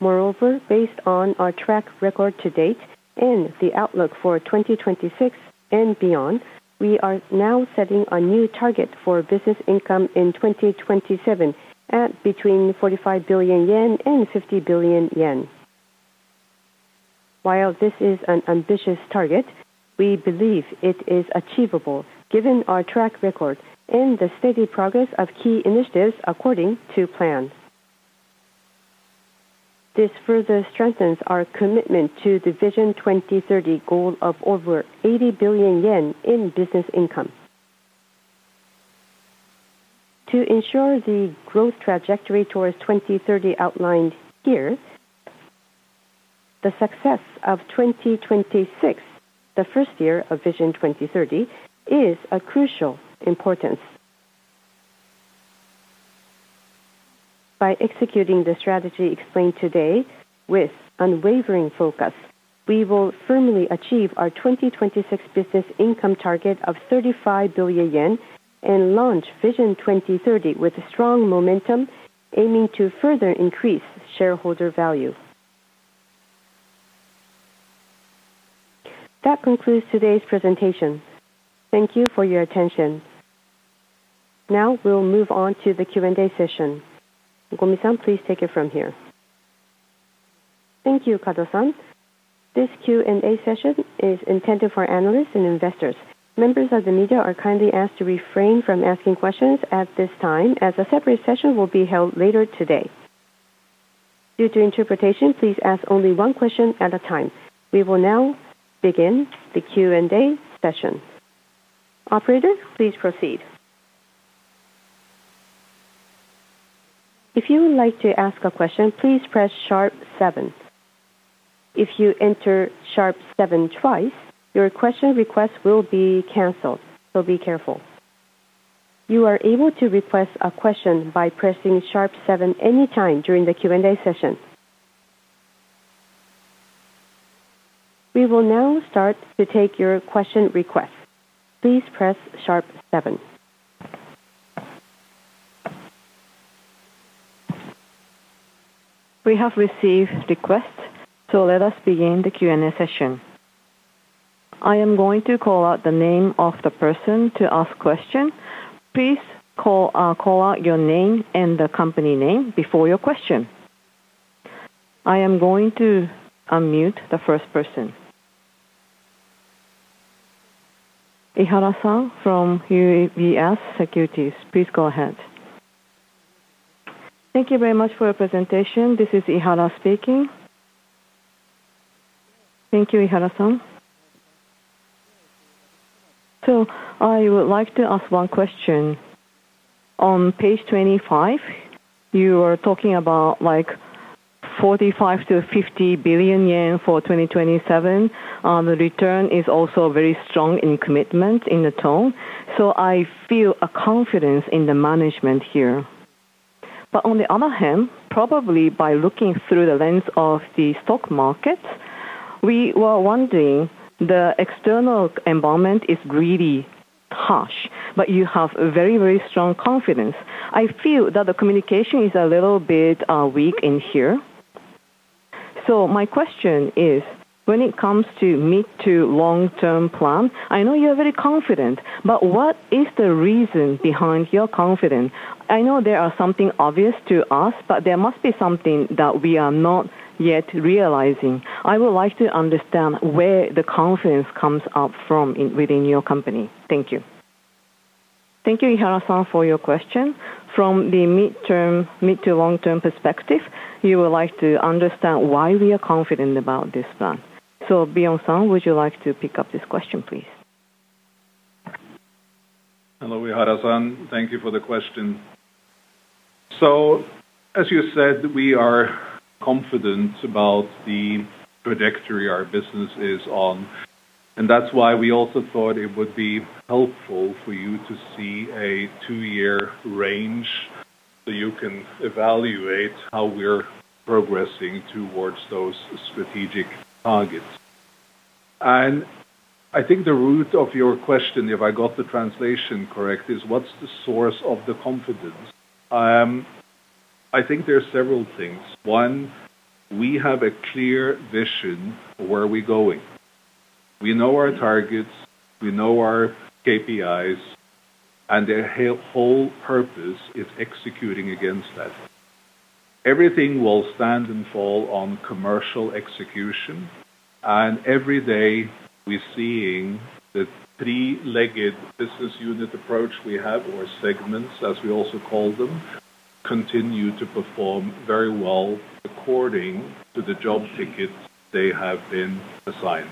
[SPEAKER 5] Moreover, based on our track record to date and the outlook for 2026 and beyond, we are now setting a new target for business income in 2027 at between 45 billion yen and 50 billion yen. While this is an ambitious target, we believe it is achievable given our track record and the steady progress of key initiatives according to plan. This further strengthens our commitment to the Vision 2030 goal of over 80 billion yen in business income. To ensure the growth trajectory towards 2030 outlined here, the success of 2026, the first year of Vision 2030, is a crucial importance. By executing the strategy explained today with unwavering focus, we will firmly achieve our 2026 business income target of 35 billion yen and launch Vision 2030 with a strong momentum, aiming to further increase shareholder value. That concludes today's presentation. Thank you for your attention. Now we'll move on to the Q&A session. Gomi-san, please take it from here.
[SPEAKER 1] Thank you, Kado-san. This Q&A session is intended for analysts and investors. Members of the media are kindly asked to refrain from asking questions at this time, as a separate session will be held later today. Due to interpretation, please ask only one question at a time. We will now begin the Q&A session. Operator, please proceed.
[SPEAKER 6] If you would like to ask a question, please press sharp seven. If you enter sharp seven twice, your question request will be canceled, so be careful. You are able to request a question by pressing sharp seven any time during the Q&A session. We will now start to take your question request. Please press sharp seven. We have received requests, so let us begin the Q&A session. I am going to call out the name of the person to ask question. Please call out your name and the company name before your question. I am going to unmute the first person. Ihara-san from UBS Securities, please go ahead.
[SPEAKER 7] Thank you very much for your presentation. This is Ihara speaking.
[SPEAKER 1] Thank you, Ihara-san.
[SPEAKER 7] So I would like to ask one question. On page 25, you are talking about, like, 45 billion-50 billion yen for 2027. The return is also very strong in commitment in the tone, so I feel a confidence in the management here. But on the other hand, probably by looking through the lens of the stock market, we were wondering, the external environment is really harsh, but you have a very, very strong confidence. I feel that the communication is a little bit weak in here. So my question is: when it comes to mid to long-term plan, I know you're very confident, but what is the reason behind your confidence? I know there are something obvious to us, but there must be something that we are not yet realizing. I would like to understand where the confidence comes up from in, within your company. Thank you.
[SPEAKER 1] Thank you, Ihara-san, for your question. From the midterm, mid to long-term perspective, you would like to understand why we are confident about this plan. So, Bjorn-san, would you like to pick up this question, please?
[SPEAKER 3] Hello, Ihara-san. Thank you for the question. So, as you said, we are confident about the trajectory our business is on, and that's why we also thought it would be helpful for you to see a two-year range, so you can evaluate how we're progressing towards those strategic targets. And I think the root of your question, if I got the translation correct, is what's the source of the confidence? I think there are several things. One, we have a clear vision where we're going. We know our targets, we know our KPIs, and their whole purpose is executing against that. Everything will stand and fall on commercial execution, and every day we're seeing the three-legged business unit approach we have, or segments, as we also call them, continue to perform very well according to the job tickets they have been assigned.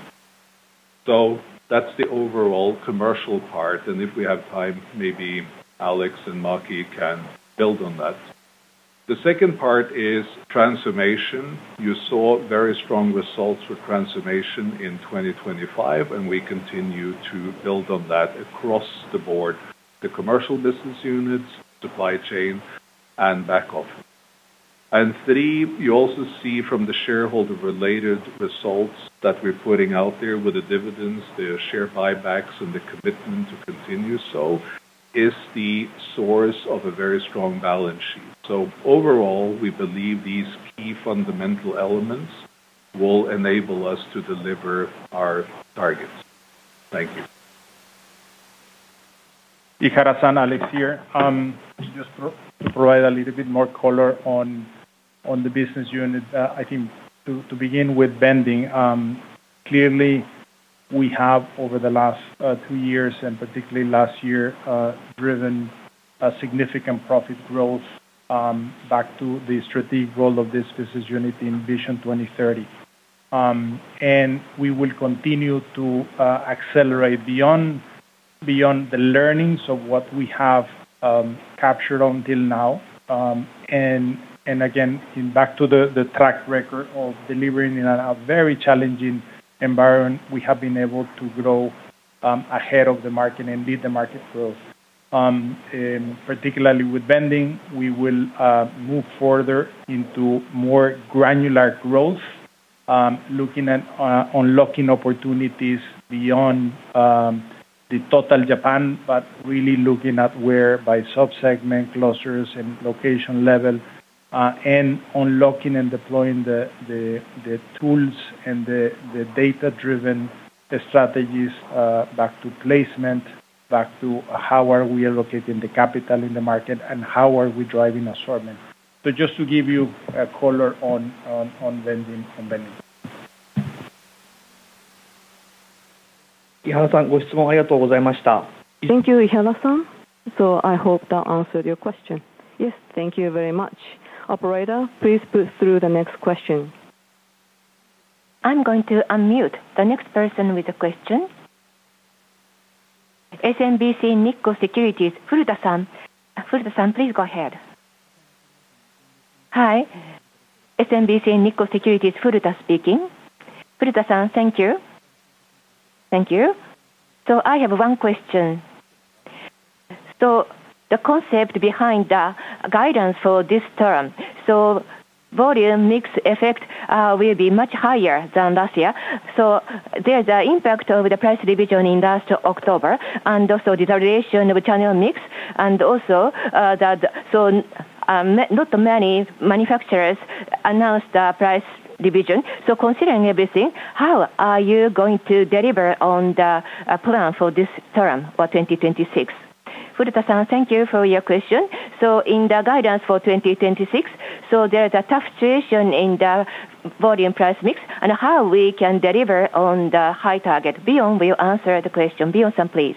[SPEAKER 3] So that's the overall commercial part, and if we have time, maybe Alex and Maki can build on that. The second part is transformation. You saw very strong results with transformation in 2025, and we continue to build on that across the board, the commercial business units, supply chain, and back office. And three, you also see from the shareholder-related results that we're putting out there with the dividends, the share buybacks, and the commitment to continue so, is the source of a very strong balance sheet. So overall, we believe these key fundamental elements will enable us to deliver our targets. Thank you.
[SPEAKER 4] Ihara-san, Alex here. Just to provide a little bit more color on the business unit. I think to begin with Vending, clearly we have over the last two years, and particularly last year, driven a significant profit growth, back to the strategic role of this business unit in Vision 2030. And we will continue to accelerate beyond the learnings of what we have captured until now. And again, back to the track record of delivering in a very challenging environment, we have been able to grow ahead of the market and lead the market growth. Particularly with Vending, we will move further into more granular growth, looking at unlocking opportunities beyond the total Japan, but really looking at whereby sub-segment, clusters, and location level, and unlocking and deploying the tools and the data-driven strategies back to placement, back to how are we allocating the capital in the market and how are we driving assortment? So just to give you a color on Vending. Thank you, Ihara-san. So I hope that answered your question.
[SPEAKER 7] Yes, thank you very much.
[SPEAKER 1] Operator, please put through the next question.
[SPEAKER 6] I'm going to unmute the next person with the question. SMBC Nikko Securities, Furuta-san. Furuta-san, please go ahead.
[SPEAKER 8] Hi. SMBC Nikko Securities, Furuta speaking. Furuta-san, thank you. Thank you. I have one question. The concept behind the guidance for this term, volume mix effect, will be much higher than last year. There's an impact over the price revision in last October, and also the duration of channel mix, and also not many manufacturers announced the price revision. Considering everything, how are you going to deliver on the plan for this term for 2026?
[SPEAKER 1] Furuta-san, thank you for your question. So in the guidance for 2026, there's a tough situation in the volume price mix, and how we can deliver on the high target. Bjorn will answer the question. Bjorn-san, please.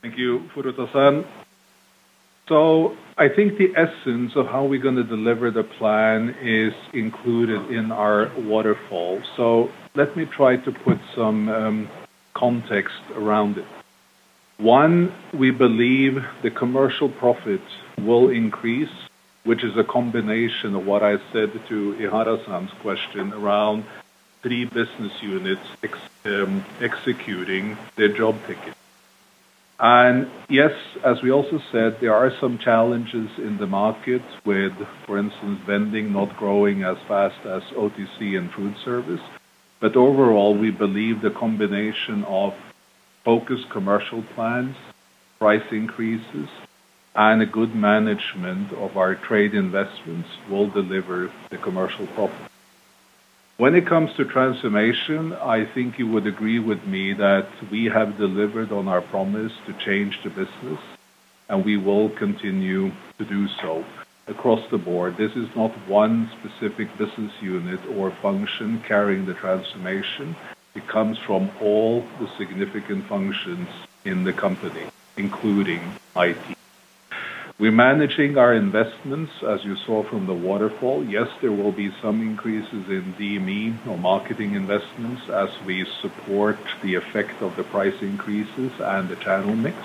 [SPEAKER 3] Thank you, Furuta-san. So I think the essence of how we're gonna deliver the plan is included in our waterfall. So let me try to put some context around it. One, we believe the commercial profits will increase, which is a combination of what I said to Ihara-san's question around three business units executing their job ticket. And yes, as we also said, there are some challenges in the market with, for instance, Vending not growing as fast as OTC and Food Service. But overall, we believe the combination of focused commercial plans, price increases, and a good management of our trade investments will deliver the commercial profit. When it comes to transformation, I think you would agree with me that we have delivered on our promise to change the business, and we will continue to do so across the board. This is not one specific business unit or function carrying the transformation. It comes from all the significant functions in the company, including IT. We're managing our investments, as you saw from the waterfall. Yes, there will be some increases in DME or marketing investments as we support the effect of the price increases and the channel mix.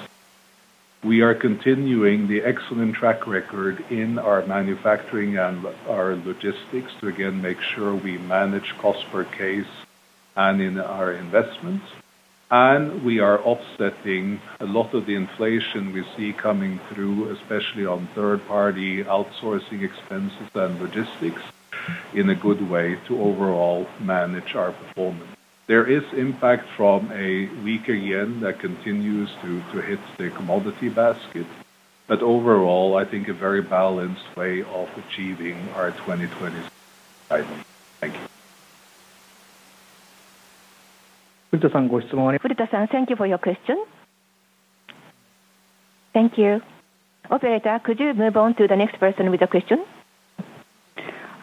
[SPEAKER 3] We are continuing the excellent track record in our manufacturing and our logistics to again make sure we manage cost per case and in our investments. And we are offsetting a lot of the inflation we see coming through, especially on third-party outsourcing expenses and logistics, in a good way to overall manage our performance. There is impact from a weaker yen that continues to hit the commodity basket, but overall, I think a very balanced way of achieving our 2026 guidance. Thank you.
[SPEAKER 1] Furuta-san, thank you for your question.
[SPEAKER 8] Thank you.
[SPEAKER 1] Operator, could you move on to the next person with the question?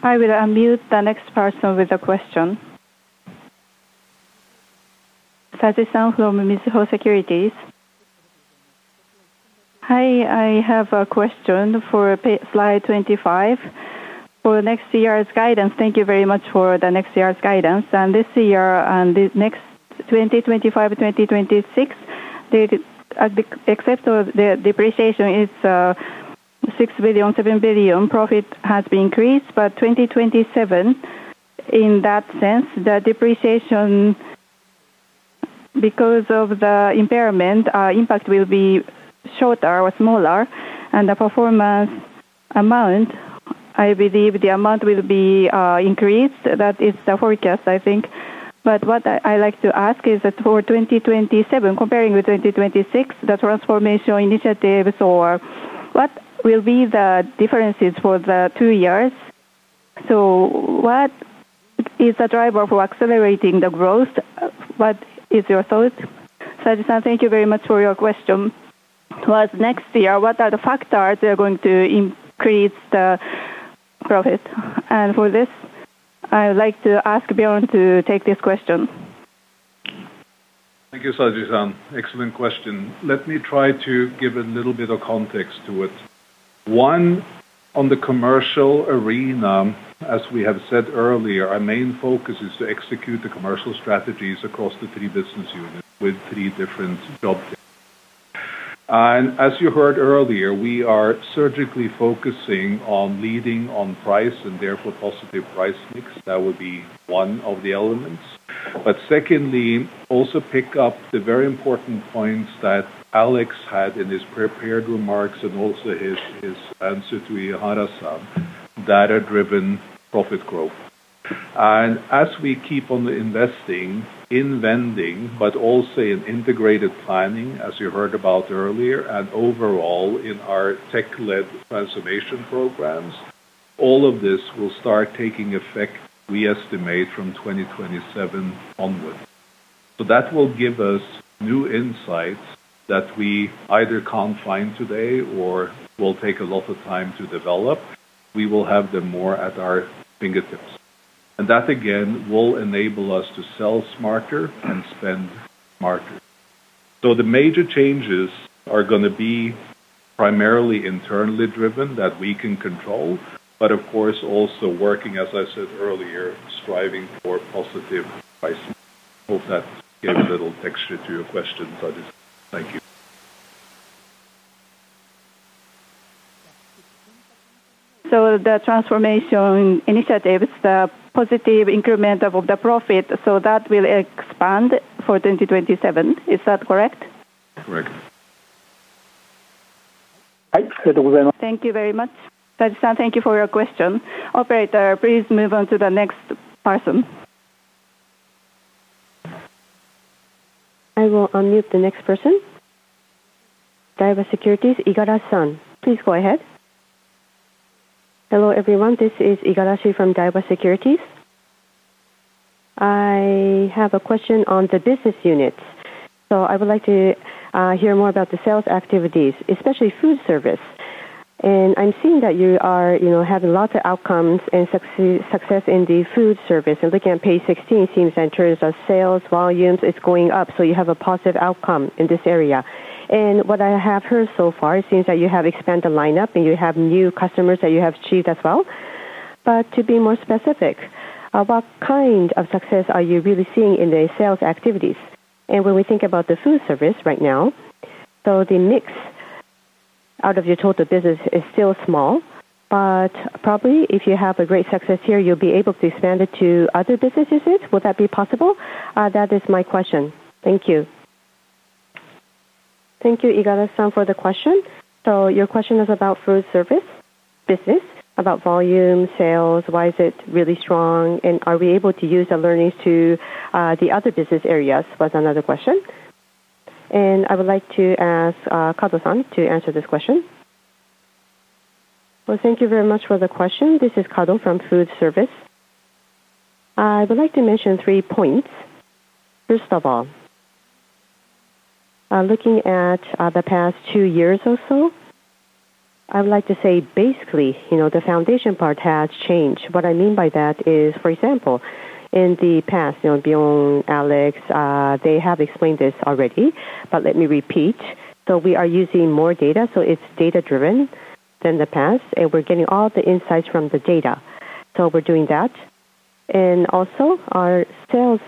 [SPEAKER 6] I will unmute the next person with the question. Saji-san from Mizuho Securities.
[SPEAKER 9] Hi, I have a question for slide 25. For next year's guidance, thank you very much for the next year's guidance. This year and the next, 2025-2026, except for the depreciation, it's 6 billion, 7 billion, profit has increased. But 2027, in that sense, the depreciation, because of the impairment, impact will be shorter or smaller, and the performance amount, I believe the amount will be increased. That is the forecast, I think. But what I like to ask is that for 2027, comparing with 2026, the transformation initiatives, or what will be the differences for the two years? So what is the driver for accelerating the growth? What is your thought?
[SPEAKER 1] Saji-san, thank you very much for your question towards next year, what are the factors that are going to increase the profit? For this, I would like to ask Bjorn to take this question.
[SPEAKER 3] Thank you, Saji-san. Excellent question. Let me try to give a little bit of context to it. One, on the commercial arena, as we have said earlier, our main focus is to execute the commercial strategies across the three business units with three different job titles. And as you heard earlier, we are surgically focusing on leading on price and therefore positive price mix. That would be one of the elements. But secondly, also pick up the very important points that Alex had in his prepared remarks and also his answer to Ihara-san, data-driven profit growth. And as we keep on investing in Vending, but also in integrated planning, as you heard about earlier, and overall in our tech-led transformation programs, all of this will start taking effect, we estimate, from 2027 onwards. So that will give us new insights that we either can't find today or will take a lot of time to develop. We will have them more at our fingertips, and that, again, will enable us to sell smarter and spend smarter. So the major changes are going to be primarily internally driven, that we can control, but of course, also working, as I said earlier, striving for positive price. I hope that gave a little extra to your question, Saji-san. Thank you.
[SPEAKER 9] The transformation initiatives, the positive increment of the profit, so that will expand for 2027. Is that correct?
[SPEAKER 3] Correct.
[SPEAKER 9] Thank you very much.
[SPEAKER 1] Saji-san, thank you for your question. Operator, please move on to the next person.
[SPEAKER 6] I will unmute the next person. Daiwa Securities, Igarashi-san. Please go ahead.
[SPEAKER 10] Hello, everyone. This is Igarashi from Daiwa Securities. I have a question on the business units. So I would like to hear more about the sales activities, especially Food Service. And I'm seeing that you are, you know, having lots of outcomes and success, success in the Food Service. And looking at page 16, it seems in terms of sales volumes, it's going up, so you have a positive outcome in this area. And what I have heard so far, it seems that you have expanded the lineup, and you have new customers that you have achieved as well. But to be more specific, what kind of success are you really seeing in the sales activities? When we think about the Food Service right now, so the mix out of your total business is still small, but probably if you have a great success here, you'll be able to expand it to other businesses. Would that be possible? That is my question. Thank you.
[SPEAKER 1] Thank you, Igarashi-san, for the question. So your question is about Food Service business, about volume, sales, why is it really strong, and are we able to use the learnings to the other business areas, was another question. And I would like to ask Kado-san to answer this question.
[SPEAKER 5] Well, thank you very much for the question. This is Kado from Food Service. I would like to mention three points. First of all, looking at the past two years or so, I would like to say basically, you know, the foundation part has changed. What I mean by that is, for example, in the past, you know, Bjorn, Alex, they have explained this already, but let me repeat. So we are using more data, so it's data-driven than the past, and we're getting all the insights from the data. So we're doing that. And also, our sales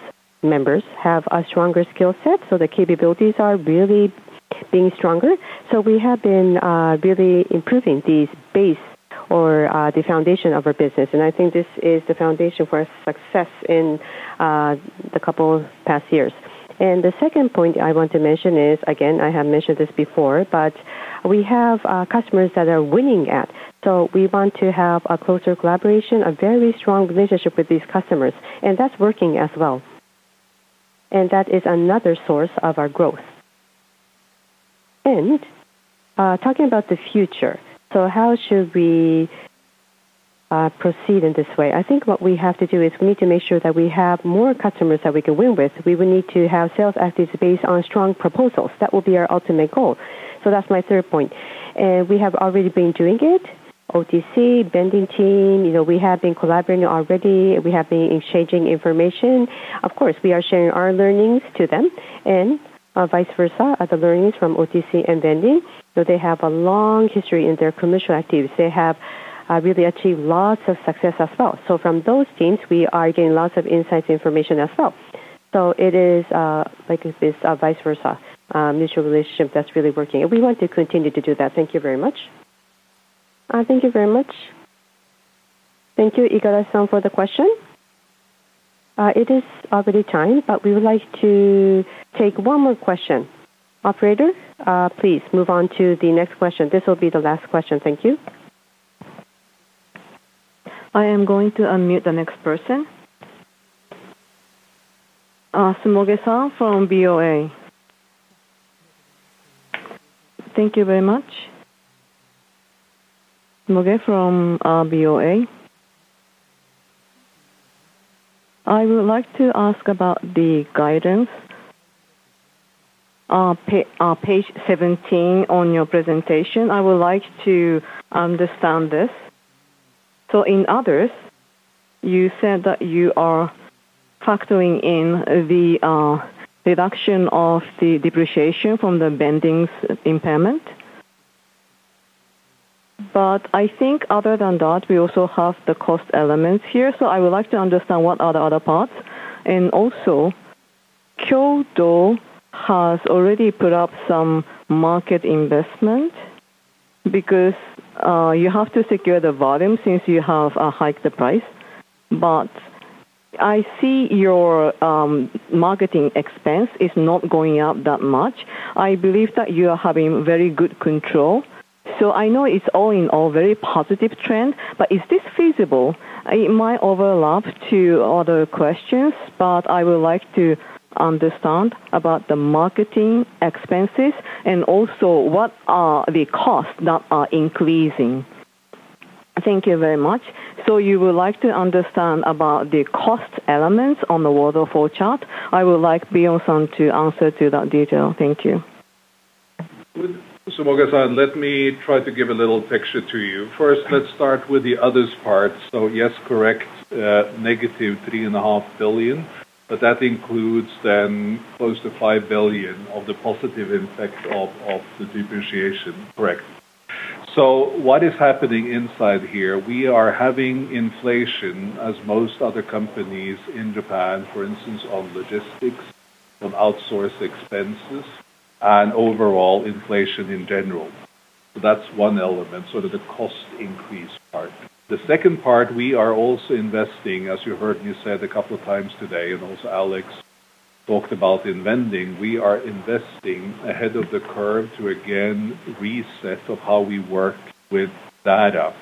[SPEAKER 5] members have a stronger skill set, so the capabilities are really being stronger. So we have been really improving the base or the foundation of our business, and I think this is the foundation for our success in the couple of past years. And the second point I want to mention is, again, I have mentioned this before, but we have customers that are winning at. So we want to have a closer collaboration, a very strong relationship with these customers, and that's working as well. And that is another source of our growth. And, talking about the future, so how should we, proceed in this way? I think what we have to do is we need to make sure that we have more customers that we can win with. We will need to have sales activities based on strong proposals. That will be our ultimate goal. So that's my third point. And we have already been doing it. OTC, Vending team, you know, we have been collaborating already, we have been exchanging information. Of course, we are sharing our learnings to them and, vice versa, other learnings from OTC and Vending. So they have a long history in their commercial activities. They have, really achieved lots of success as well. So from those teams, we are getting lots of insights, information as well. So it is, like this, vice versa, mutual relationship that's really working, and we want to continue to do that. Thank you very much. Thank you very much.
[SPEAKER 1] Thank you, Igarashi-san, for the question. It is already time, but we would like to take one more question. Operator, please move on to the next question. This will be the last question. Thank you.
[SPEAKER 6] I am going to unmute the next person. Sumoge-san from BofA.
[SPEAKER 11] Thank you very much. Sumoge from BofA. I would like to ask about the guidance on page 17 on your presentation. I would like to understand this. So in others, you said that you are factoring in the reduction of the depreciation from the Vending's impairment. But I think other than that, we also have the cost elements here, so I would like to understand what are the other parts. And also, Kyoto has already put up some market investment because you have to secure the volume since you have hiked the price. But I see your marketing expense is not going up that much. I believe that you are having very good control. So I know it's all in all very positive trend, but is this feasible? It might overlap to other questions, but I would like to understand about the marketing expenses and also what are the costs that are increasing.
[SPEAKER 1] Thank you very much. So you would like to understand about the cost elements on the waterfall chart. I would like Bjorn to answer to that detail. Thank you.
[SPEAKER 3] Sumoge-san, let me try to give a little picture to you. First, let's start with the others part. So yes, correct, -3.5 billion, but that includes then close to 5 billion of the positive impact of, of the depreciation. Correct. So what is happening inside here? We are having inflation, as most other companies in Japan, for instance, on logistics, on outsource expenses, and overall inflation in general. So that's one element, so that the cost increase part. The second part, we are also investing, as you heard me say it a couple of times today, and also Alex talked about in Vending, we are investing ahead of the curve to again reset of how we work with data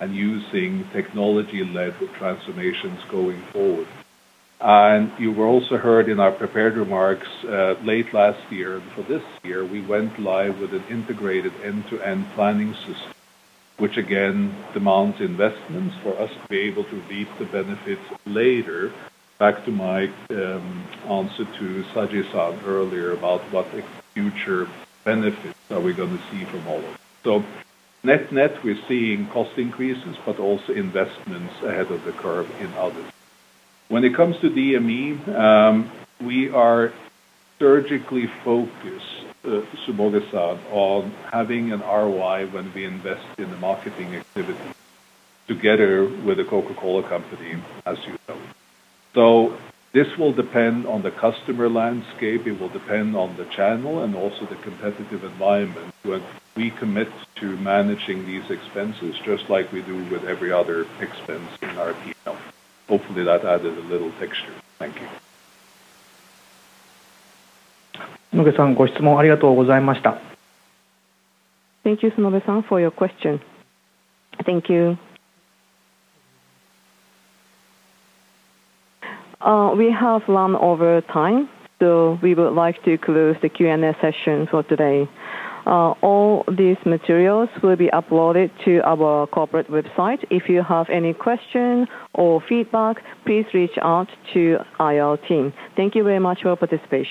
[SPEAKER 3] and using technology-led transformations going forward. And you were also heard in our prepared remarks, late last year. For this year, we went live with an integrated end-to-end planning system, which again, demands investments for us to be able to reap the benefits later. Back to my answer to Saji-san earlier about what the future benefits are we gonna see from all of this. So net-net, we're seeing cost increases, but also investments ahead of the curve in others. When it comes to DME, we are surgically focused, Sumoge-san, on having an ROI when we invest in the marketing activity, together with the Coca-Cola Company, as you know. So this will depend on the customer landscape, it will depend on the channel and also the competitive environment, when we commit to managing these expenses, just like we do with every other expense in our P&L. Hopefully, that added a little texture. Thank you.
[SPEAKER 1] Thank you, Sumoge-san, for your question. Thank you. We have run over time, so we would like to close the Q&A session for today. All these materials will be uploaded to our corporate website. If you have any question or feedback, please reach out to our team. Thank you very much for your participation.